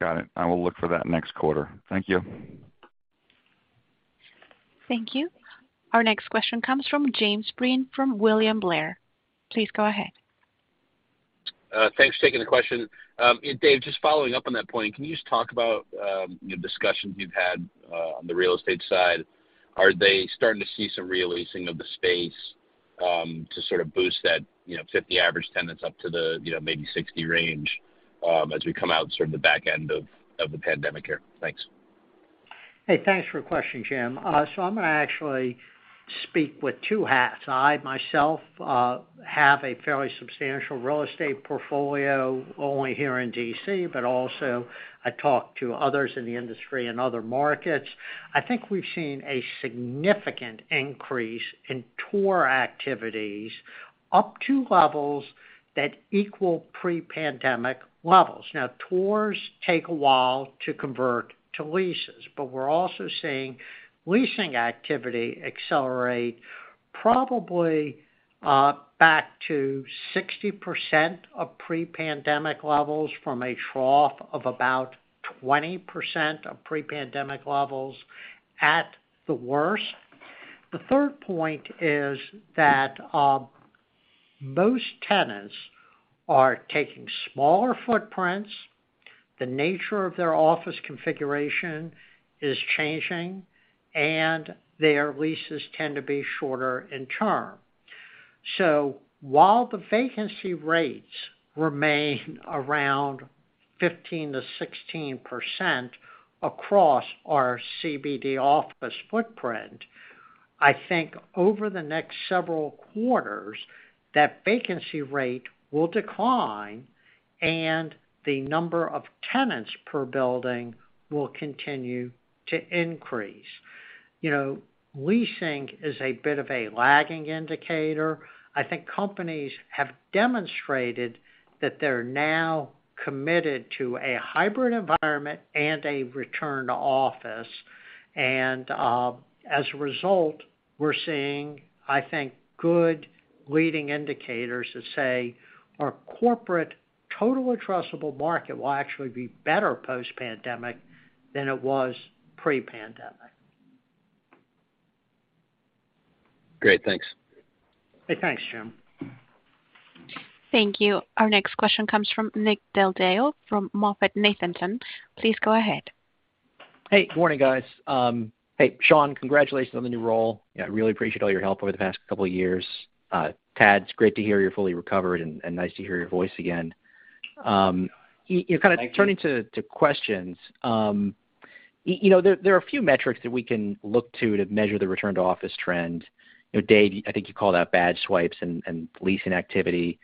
Got it. I will look for that next quarter. Thank you. Thank you. Our next question comes from James Breen from William Blair. Please go ahead. Thanks for taking the question. Dave, just following up on that point, can you just talk about the discussions you've had on the real estate side? Are they starting to see some re-leasing of the space to sort of boost that, you know, 50 average tenants up to the, you know, maybe 60 range as we come out sort of the back end of the pandemic here? Thanks. Hey, thanks for the question, Jim. So I'm going to actually speak with two hats. I myself have a fairly substantial real estate portfolio not only here in D.C., but also I talk to others in the industry in other markets. I think we've seen a significant increase in tour activities up to levels that equal pre-pandemic levels. Now, tours take a while to convert to leases, but we're also seeing leasing activity accelerate probably back to 60% of pre-pandemic levels from a trough of about 20% of pre-pandemic levels at the worst. The third point is that most tenants are taking smaller footprints, the nature of their office configuration is changing, and their leases tend to be shorter in term. While the vacancy rates remain around 15%-16% across our CBD office footprint, I think over the next several quarters, that vacancy rate will decline and the number of tenants per building will continue to increase. You know, leasing is a bit of a lagging indicator. I think companies have demonstrated that they're now committed to a hybrid environment and a return to office. As a result, we're seeing, I think, good leading indicators that say our corporate total addressable market will actually be better post-pandemic than it was pre-pandemic. Great. Thanks. Hey, thanks, Jim. Thank you. Our next question comes from Nick Del Deo from MoffettNathanson. Please go ahead. Hey, good morning, guys. Hey, Sean, congratulations on the new role. I really appreciate all your help over the past couple of years. Tad, it's great to hear you're fully recovered and nice to hear your voice again. You know, kind of Thank you. Turning to questions. You know, there are a few metrics that we can look to to measure the return to office trend. You know, Dave, I think you call that badge swipes and leasing activity.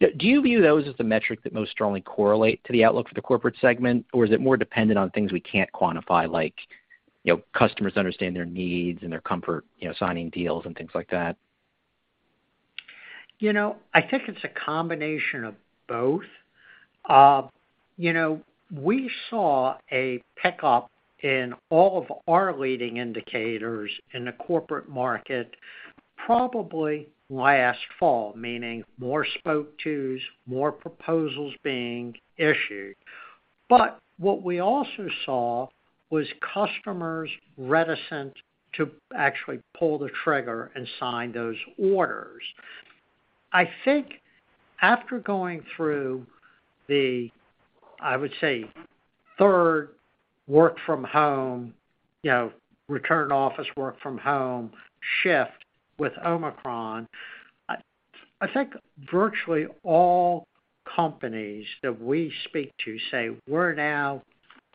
Do you view those as the metric that most strongly correlate to the outlook for the corporate segment? Or is it more dependent on things we can't quantify, like, you know, customers understand their needs and their comfort, you know, signing deals and things like that? You know, I think it's a combination of both. You know, we saw a pickup in all of our leading indicators in the corporate market probably last fall, meaning more spoke tubes, more proposals being issued. What we also saw was customers reticent to actually pull the trigger and sign those orders. I think after going through the, I would say, third work from home, you know, return to office, work from home shift with Omicron, I think virtually all companies that we speak to say, "We're now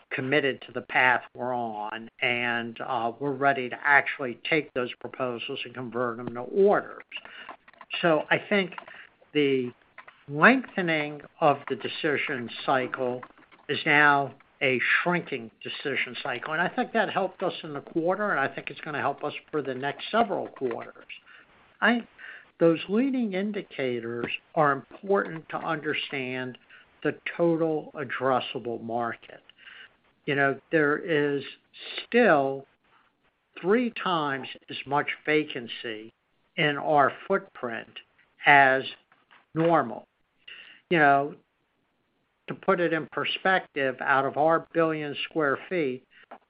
committed to the path we're on, and we're ready to actually take those proposals and convert them into orders." I think the lengthening of the decision cycle is now a shrinking decision cycle, and I think that helped us in the quarter, and I think it's going to help us for the next several quarters. Those leading indicators are important to understand the total addressable market. You know, there is still three times as much vacancy in our footprint as normal. You know, to put it in perspective, out of our 1 billion sq ft,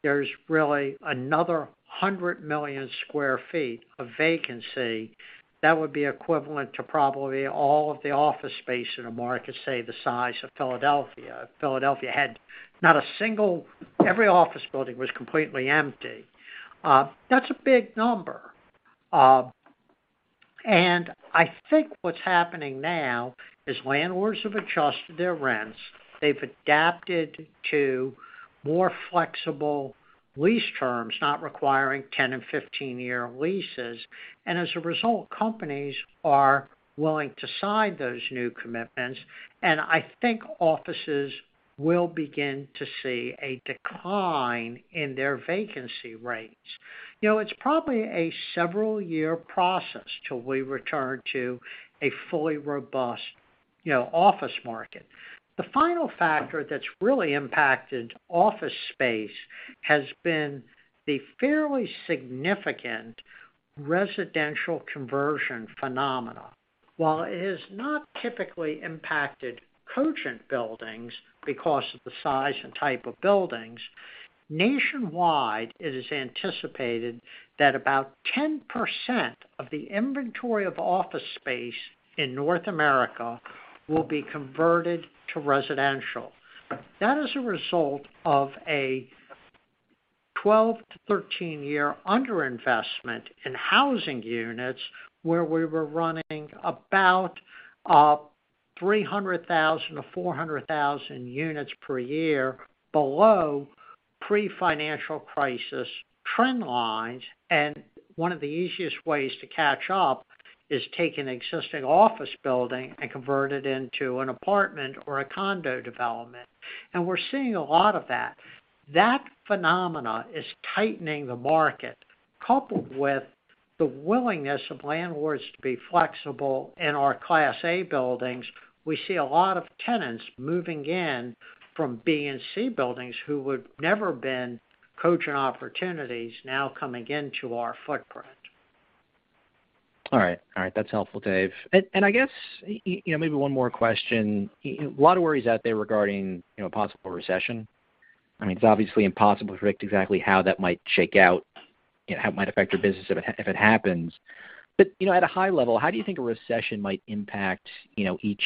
there's really another 100 million sq ft of vacancy that would be equivalent to probably all of the office space in a market, say, the size of Philadelphia. Philadelphia had not a single. Every office building was completely empty. That's a big number. I think what's happening now is landlords have adjusted their rents. They've adapted to more flexible lease terms, not requiring 10- and 15-year leases. As a result, companies are willing to sign those new commitments. I think offices will begin to see a decline in their vacancy rates. You know, it's probably a several year process till we return to a fully robust, you know, office market. The final factor that's really impacted office space has been the fairly significant residential conversion phenomena. While it has not typically impacted Cogent buildings because of the size and type of buildings, nationwide, it is anticipated that about 10% of the inventory of office space in North America will be converted to residential. That is a result of a 12- to 13-year underinvestment in housing units, where we were running about 300,000-400,000 units per year below pre-financial crisis trend lines. One of the easiest ways to catch up is take an existing office building and convert it into an apartment or a condo development. We're seeing a lot of that. That phenomena is tightening the market. Coupled with the willingness of landlords to be flexible in our Class A buildings, we see a lot of tenants moving in from B and C buildings who would never been Cogent opportunities now coming into our footprint. All right. All right. That's helpful, Dave. I guess you know, maybe one more question. A lot of worries out there regarding, you know, possible recession. I mean, it's obviously impossible to predict exactly how that might shake out. You know, how it might affect your business if it happens. You know, at a high level, how do you think a recession might impact, you know, each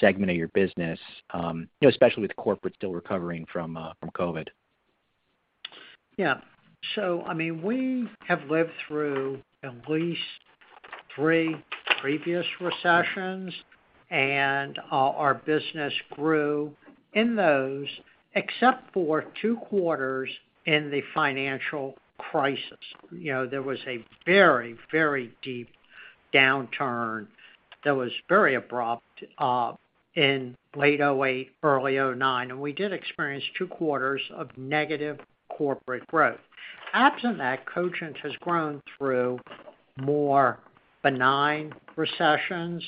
segment of your business, you know, especially with corporate still recovering from COVID? Yeah. I mean, we have lived through at least three previous recessions, and our business grew in those, except for two quarters in the financial crisis. You know, there was a very deep downturn that was very abrupt in late 2008, early 2009, and we did experience two quarters of negative corporate growth. Absent that, Cogent has grown through more benign recessions.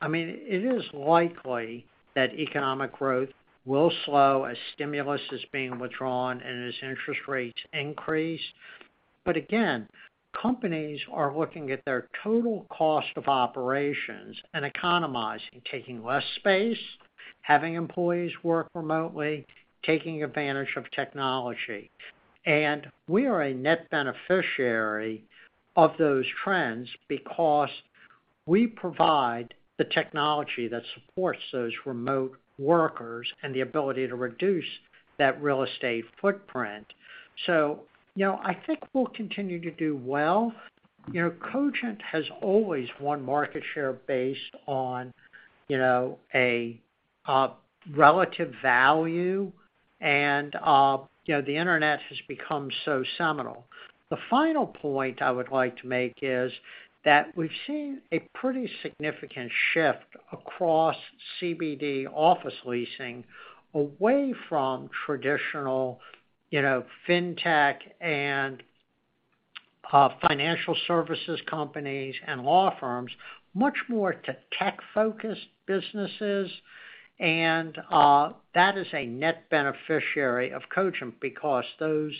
I mean, it is likely that economic growth will slow as stimulus is being withdrawn and as interest rates increase. Companies are looking at their total cost of operations and economizing, taking less space, having employees work remotely, taking advantage of technology. We are a net beneficiary of those trends because we provide the technology that supports those remote workers and the ability to reduce that real estate footprint. You know, I think we'll continue to do well. You know, Cogent has always won market share based on, you know, a relative value and, you know, the Internet has become so seminal. The final point I would like to make is that we've seen a pretty significant shift across CBD office leasing away from traditional, you know, FinTech and financial services companies and law firms, much more to tech-focused businesses. That is a net beneficiary of Cogent, because those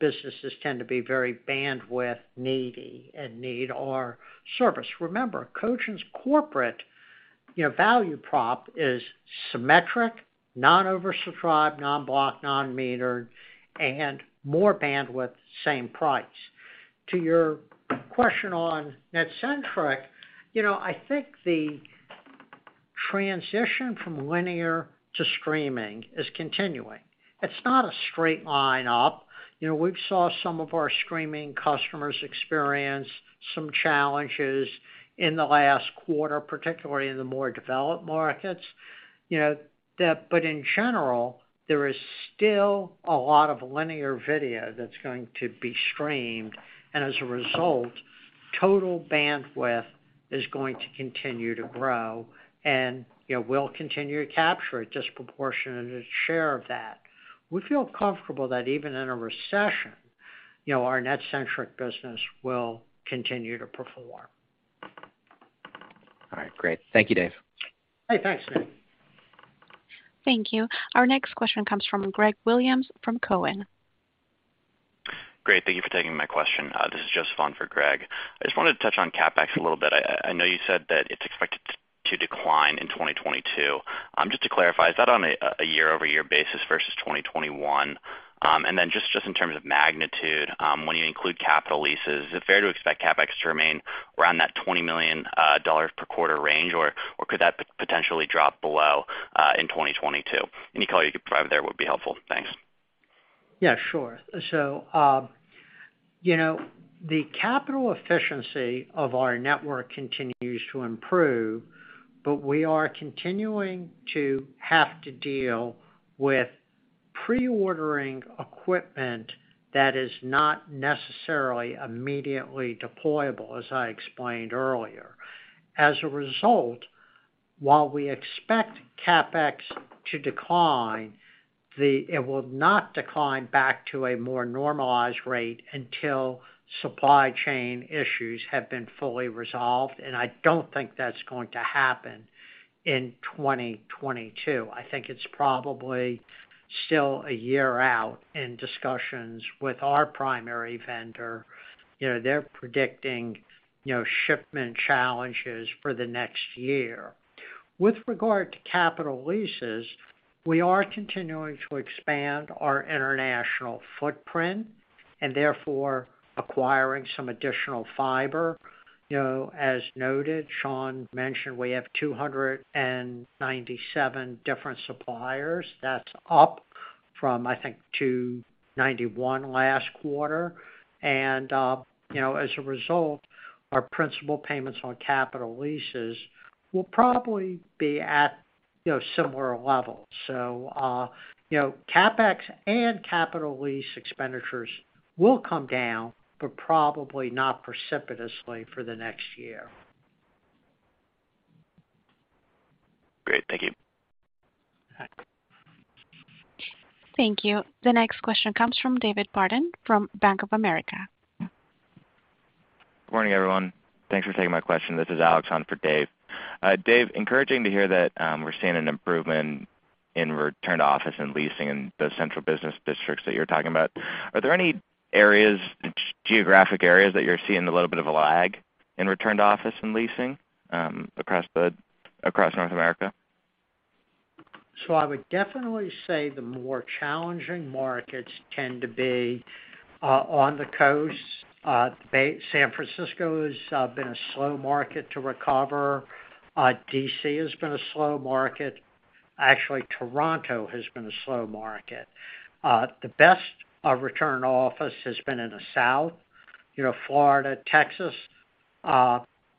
businesses tend to be very bandwidth needy and need our service. Remember, Cogent's corporate, you know, value prop is symmetric, non-over subscribed, non-block, non-metered, and more bandwidth, same price. To your question on NetCentric, you know, I think the transition from linear to streaming is continuing. It's not a straight line up. You know, we've saw some of our streaming customers experience some challenges in the last quarter, particularly in the more developed markets, you know. In general, there is still a lot of linear video that's going to be streamed, and as a result, total bandwidth is going to continue to grow, and, you know, we'll continue to capture a disproportionate share of that. We feel comfortable that even in a recession, you know, our NetCentric business will continue to perform. All right, great. Thank you, Dave. Hey, thanks, Nick. Thank you. Our next question comes from Gregory Williams from Cowen. Great. Thank you for taking my question. This is just fun for Greg. I just wanted to touch on CapEx a little bit. I know you said that it's expected to decline in 2022. Just to clarify, is that on a year-over-year basis versus 2021? And then just in terms of magnitude, when you include capital leases, is it fair to expect CapEx to remain around that $20 million per quarter range, or could that potentially drop below in 2022? Any color you could provide there would be helpful. Thanks. Yeah, sure. You know, the capital efficiency of our network continues to improve, but we are continuing to have to deal with pre-ordering equipment that is not necessarily immediately deployable, as I explained earlier. As a result, while we expect CapEx to decline, it will not decline back to a more normalized rate until supply chain issues have been fully resolved. I don't think that's going to happen in 2022. I think it's probably still a year out in discussions with our primary vendor. You know, they're predicting, you know, shipment challenges for the next year. With regard to capital leases, we are continuing to expand our international footprint and therefore acquiring some additional fiber. You know, as noted, Sean mentioned we have 297 different suppliers. That's up from, I think, 291 last quarter. You know, as a result, our principal payments on capital leases will probably be at, you know, similar levels. You know, CapEx and capital lease expenditures will come down, but probably not precipitously for the next year. Great. Thank you. All right. Thank you. The next question comes from David Barden from Bank of America. Good morning, everyone. Thanks for taking my question. This is Alex on for Dave. Dave, encouraging to hear that, we're seeing an improvement in return to office and leasing in the central business districts that you're talking about. Are there any areas, geographic areas, that you're seeing a little bit of a lag in return to office and leasing, across North America? I would definitely say the more challenging markets tend to be on the coast. San Francisco has been a slow market to recover. D.C. has been a slow market. Actually, Toronto has been a slow market. The best return office has been in the south, you know, Florida, Texas,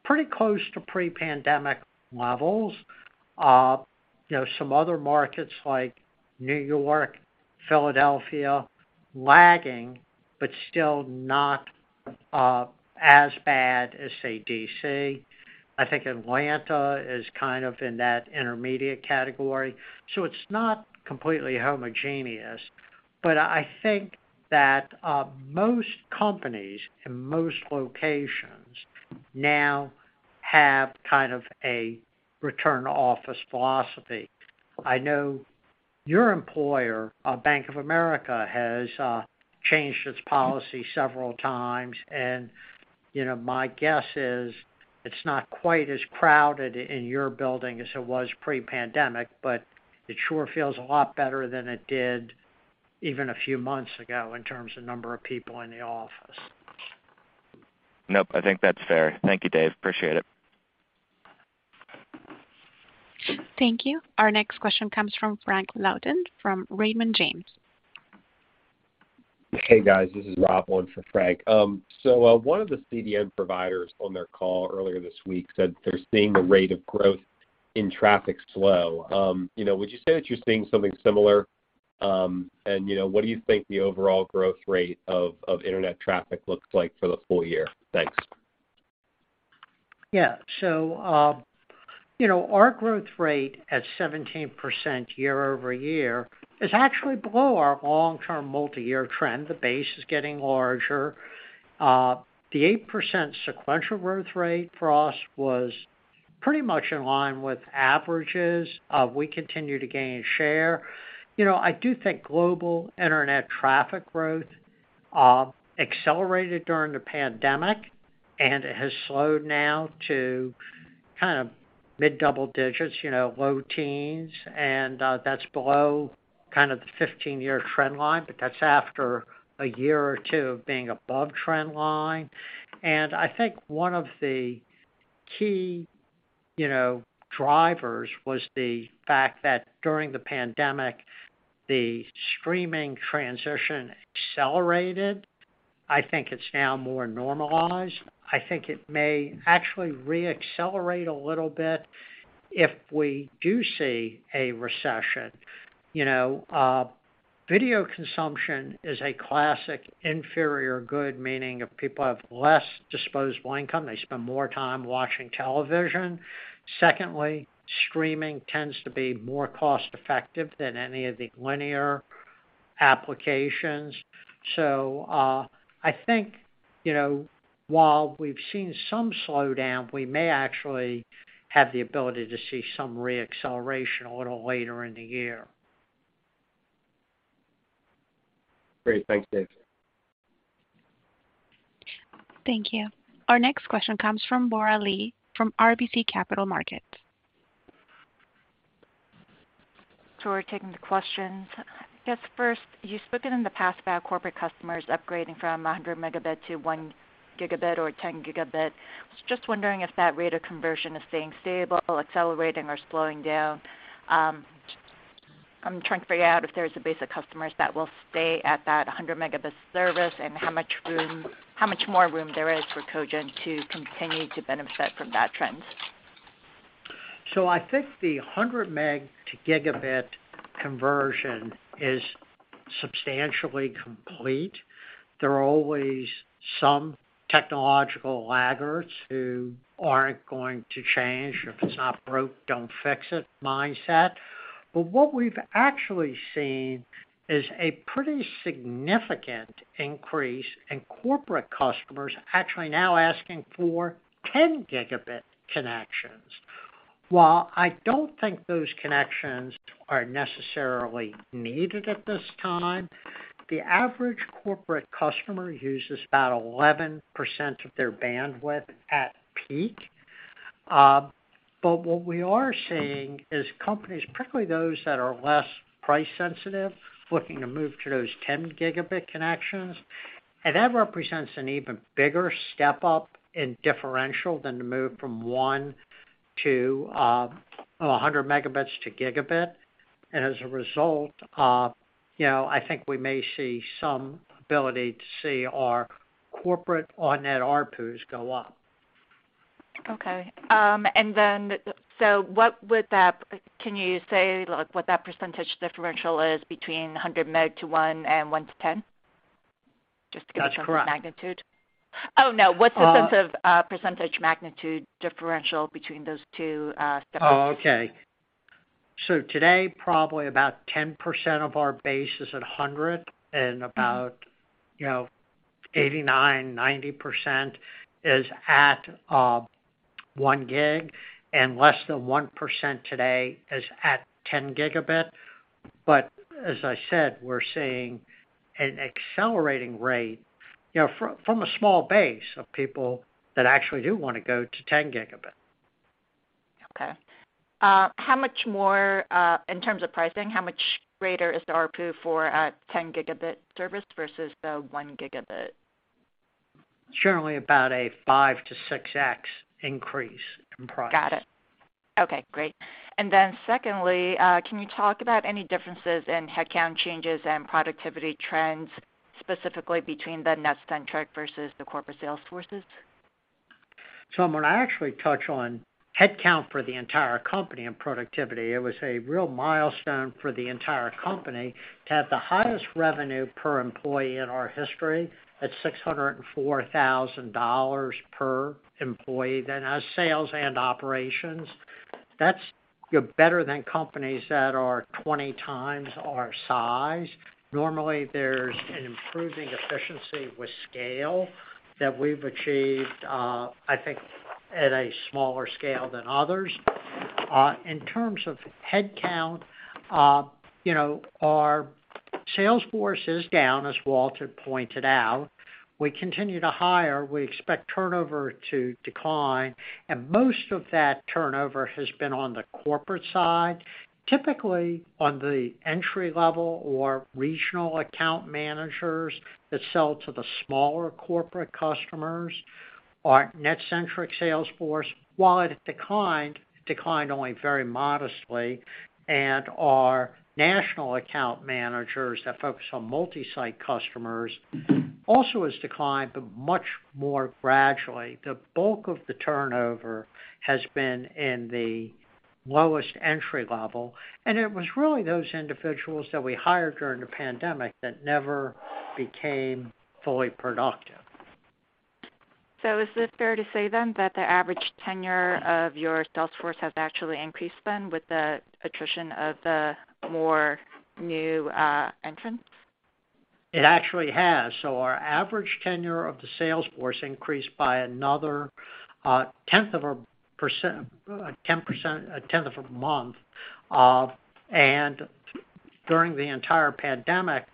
pretty close to pre-pandemic levels. You know, some other markets like New York, Philadelphia. Lagging, but still not as bad as say, D.C. I think Atlanta is kind of in that intermediate category, so it's not completely homogeneous. I think that most companies in most locations now have kind of a return office philosophy. I know your employer, Bank of America, has changed its policy several times, and, you know, my guess is it's not quite as crowded in your building as it was pre-pandemic, but it sure feels a lot better than it did even a few months ago in terms of number of people in the office. Nope, I think that's fair. Thank you, Dave. Appreciate it. Thank you. Our next question comes from Frank Louthan from Raymond James. Hey, guys, this is Rob on for Frank. One of the CDN providers on their call earlier this week said they're seeing the rate of growth in traffic slow. You know, would you say that you're seeing something similar? You know, what do you think the overall growth rate of internet traffic looks like for the full year? Thanks. Yeah. You know, our growth rate at 17% year-over-year is actually below our long-term multi-year trend. The base is getting larger. The 8% sequential growth rate for us was pretty much in line with averages. We continue to gain share. You know, I do think global internet traffic growth accelerated during the pandemic, and it has slowed now to kind of mid-double digits, you know, low teens, and that's below kind of the 15-year trend line, but that's after a year or two of being above trend line. I think one of the key, you know, drivers was the fact that during the pandemic, the streaming transition accelerated. I think it's now more normalized. I think it may actually re-accelerate a little bit if we do see a recession. You know, video consumption is a classic inferior good, meaning if people have less disposable income, they spend more time watching television. Secondly, streaming tends to be more cost-effective than any of the linear applications. I think, you know, while we've seen some slowdown, we may actually have the ability to see some re-acceleration a little later in the year. Great. Thanks, Dave. Thank you. Our next question comes from Bora Lee from RBC Capital Markets. Sure, taking the questions. I guess first, you've spoken in the past about corporate customers upgrading from 100 Mbps to 1 Gbps or 10 Gbps. I was just wondering if that rate of conversion is staying stable, accelerating, or slowing down. I'm trying to figure out if there's a base of customers that will stay at that 100 Mbps service and how much more room there is for Cogent to continue to benefit from that trend. I think the 100 meg to gigabit conversion is substantially complete. There are always some technological laggards who aren't going to change. If it's not broke, don't fix it mindset. What we've actually seen is a pretty significant increase in corporate customers actually now asking for 10 gigabit connections. While I don't think those connections are necessarily needed at this time, the average corporate customer uses about 11% of their bandwidth at peak. What we are seeing is companies, particularly those that are less price sensitive, looking to move to those 10 gigabit connections. That represents an even bigger step up in differential than to move from a hundred megabits to gigabit. As a result, I think we may see some ability to see our corporate on-net ARPU's go up. Can you say, like, what that percentage differential is between 100 meg to 1 and 1 to 10? Just to give a sense of magnitude. That's correct. Oh, no. What's the sense of percentage magnitude differential between those two steps? Today, probably about 10% of our base is at 100, and about, you know, 89-90% is at 1 gig, and less than 1% today is at 10 gigabit. But as I said, we're seeing an accelerating rate, you know, from a small base of people that actually do want to go to 10 gigabit. Okay. How much more, in terms of pricing, how much greater is the ARPU for a 10 gigabit service versus the 1 gigabit? Generally about a 5-6x increase in price. Got it. Okay, great. Secondly, can you talk about any differences in headcount changes and productivity trends, specifically between the NetCentric versus the corporate sales forces? I'm going to actually touch on headcount for the entire company and productivity. It was a real milestone for the entire company to have the highest revenue per employee in our history at $604,000 per employee. As sales and operations, that's better than companies that are 20 times our size. Normally, there's an improving efficiency with scale that we've achieved, I think at a smaller scale than others. In terms of headcount, you know, our sales force is down, as Walter pointed out. We continue to hire. We expect turnover to decline, and most of that turnover has been on the corporate side, typically on the entry-level or regional account managers that sell to the smaller corporate customers. Our NetCentric sales force, while it declined only very modestly, and our national account managers that focus on multi-site customers also has declined, but much more gradually. The bulk of the turnover has been in the lowest entry level, and it was really those individuals that we hired during the pandemic that never became fully productive. Is it fair to say then that the average tenure of your sales force has actually increased then with the attrition of the more new entrants? It actually has. Our average tenure of the sales force increased by another tenth of a percent, ten percent, a tenth of a month. During the entire pandemic,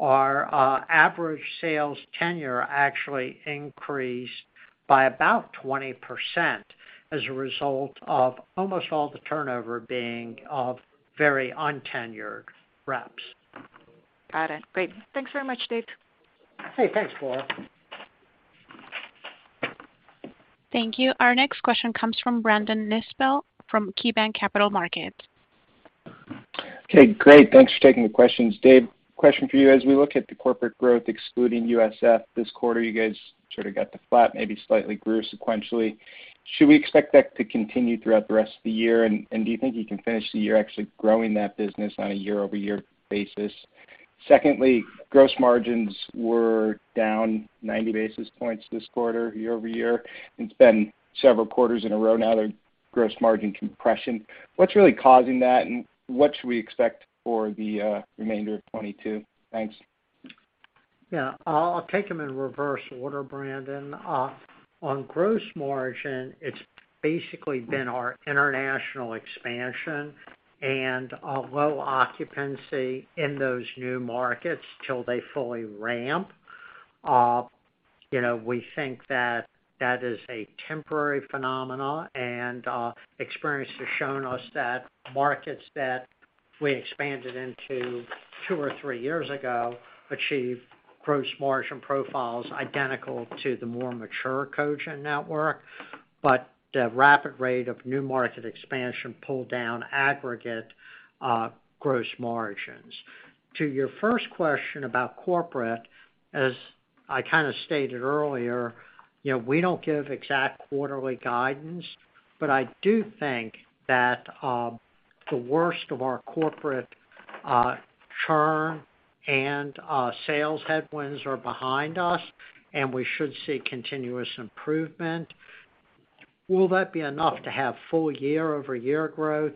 our average sales tenure actually increased by about 20% as a result of almost all the turnover being of very untenured reps. Got it. Great. Thanks very much, Dave. Hey, thanks, Bora Lee. Thank you. Our next question comes from Brandon Nispel from KeyBanc Capital Markets. Okay, great. Thanks for taking the questions. Dave, question for you. As we look at the corporate growth excluding USF this quarter, you guys sort of got to flat, maybe slightly grew sequentially. Should we expect that to continue throughout the rest of the year? And do you think you can finish the year actually growing that business on a year-over-year basis? Secondly, gross margins were down 90 basis points this quarter year-over-year. It's been several quarters in a row now that gross margin compression. What's really causing that, and what should we expect for the remainder of 2022? Thanks. Yeah. I'll take them in reverse order, Brandon. On gross margin, it's basically been our international expansion and a low occupancy in those new markets till they fully ramp. You know, we think that that is a temporary phenomena, and experience has shown us that markets that we expanded into two or three years ago achieve gross margin profiles identical to the more mature Cogent network. The rapid rate of new market expansion pulled down aggregate gross margins. To your first question about corporate, as I kind of stated earlier, you know, we don't give exact quarterly guidance, but I do think that the worst of our corporate churn and sales headwinds are behind us, and we should see continuous improvement. Will that be enough to have full year-over-year growth?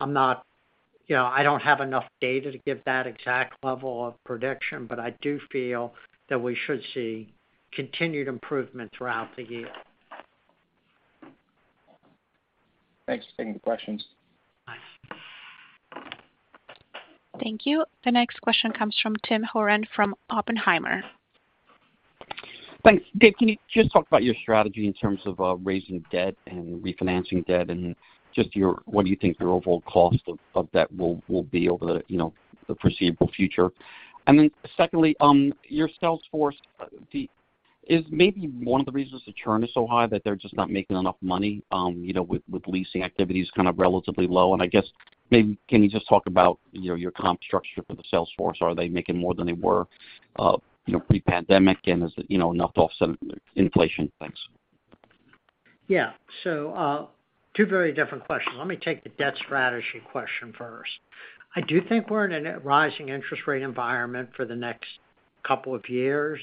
You know, I don't have enough data to give that exact level of prediction, but I do feel that we should see continued improvement throughout the year. Thanks for taking the questions. Bye. Thank you. The next question comes from Timothy Horan from Oppenheimer. Thanks. Dave, can you just talk about your strategy in terms of raising debt and refinancing debt and just your what do you think your overall cost of debt will be over the foreseeable future? And then secondly, your sales force is maybe one of the reasons the churn is so high that they're just not making enough money, you know, with leasing activities kind of relatively low. And I guess maybe can you just talk about your comp structure for the sales force? Are they making more than they were pre-pandemic? And is it enough to offset inflation? Thanks. Yeah. Two very different questions. Let me take the debt strategy question first. I do think we're in a rising interest rate environment for the next couple of years.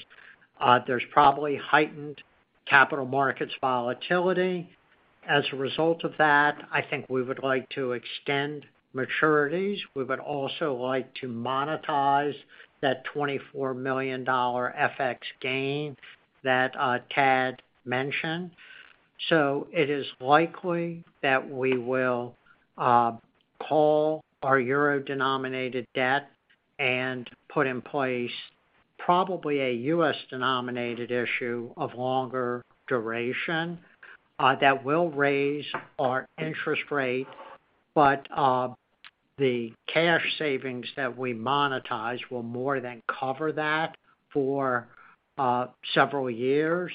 There's probably heightened capital markets volatility. As a result of that, I think we would like to extend maturities. We would also like to monetize that $24 million FX gain that Tad mentioned. It is likely that we will call our euro-denominated debt and put in place probably a US-denominated issue of longer duration that will raise our interest rate, but the cash savings that we monetize will more than cover that for several years.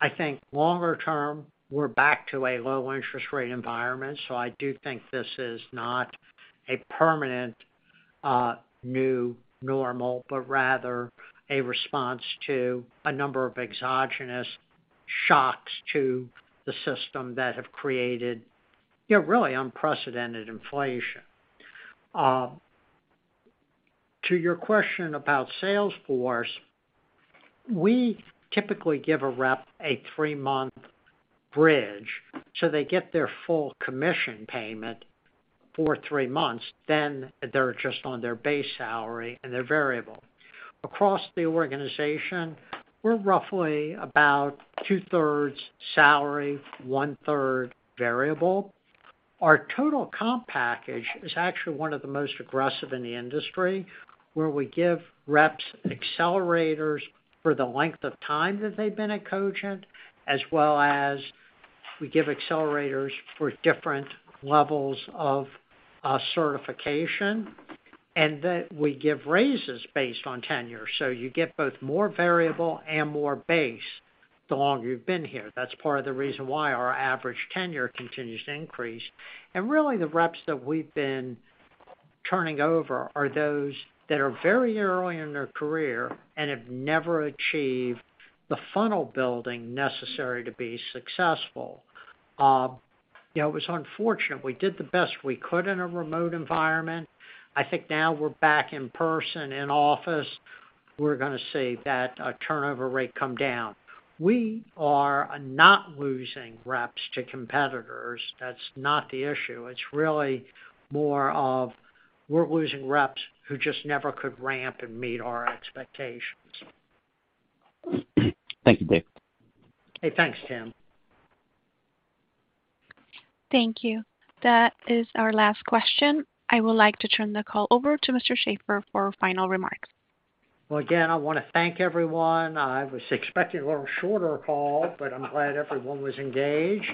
I think longer term, we're back to a low interest rate environment, so I do think this is not a permanent new normal, but rather a response to a number of exogenous shocks to the system that have created, you know, really unprecedented inflation. To your question about sales force, we typically give a rep a 3-month bridge, so they get their full commission payment for three months, then they're just on their base salary and their variable. Across the organization, we're roughly about two-thirds salary, one-third variable. Our total comp package is actually one of the most aggressive in the industry, where we give reps accelerators for the length of time that they've been at Cogent, as well as we give accelerators for different levels of certification, and then we give raises based on tenure. You get both more variable and more base the longer you've been here. That's part of the reason why our average tenure continues to increase. Really the reps that we've been turning over are those that are very early in their career and have never achieved the funnel building necessary to be successful. You know, it was unfortunate. We did the best we could in a remote environment. I think now we're back in person in office, we're going to see that, turnover rate come down. We are not losing reps to competitors. That's not the issue. It's really more of we're losing reps who just never could ramp and meet our expectations. Thank you, Dave. Hey, thanks, Tim. Thank you. That is our last question. I would like to turn the call over to Mr. Schaeffer for final remarks. Well, again, I want to thank everyone. I was expecting a little shorter call, but I'm glad everyone was engaged.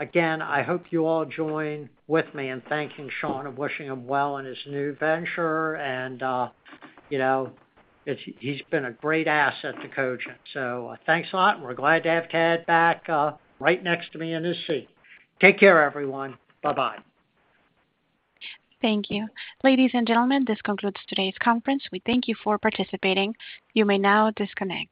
Again, I hope you all join with me in thanking Sean and wishing him well in his new venture. You know, it's, he's been a great asset to Cogent. Thanks a lot, and we're glad to have Tad back, right next to me in this seat. Take care, everyone. Bye-bye. Thank you. Ladies and gentlemen, this concludes today's conference. We thank you for participating. You may now disconnect.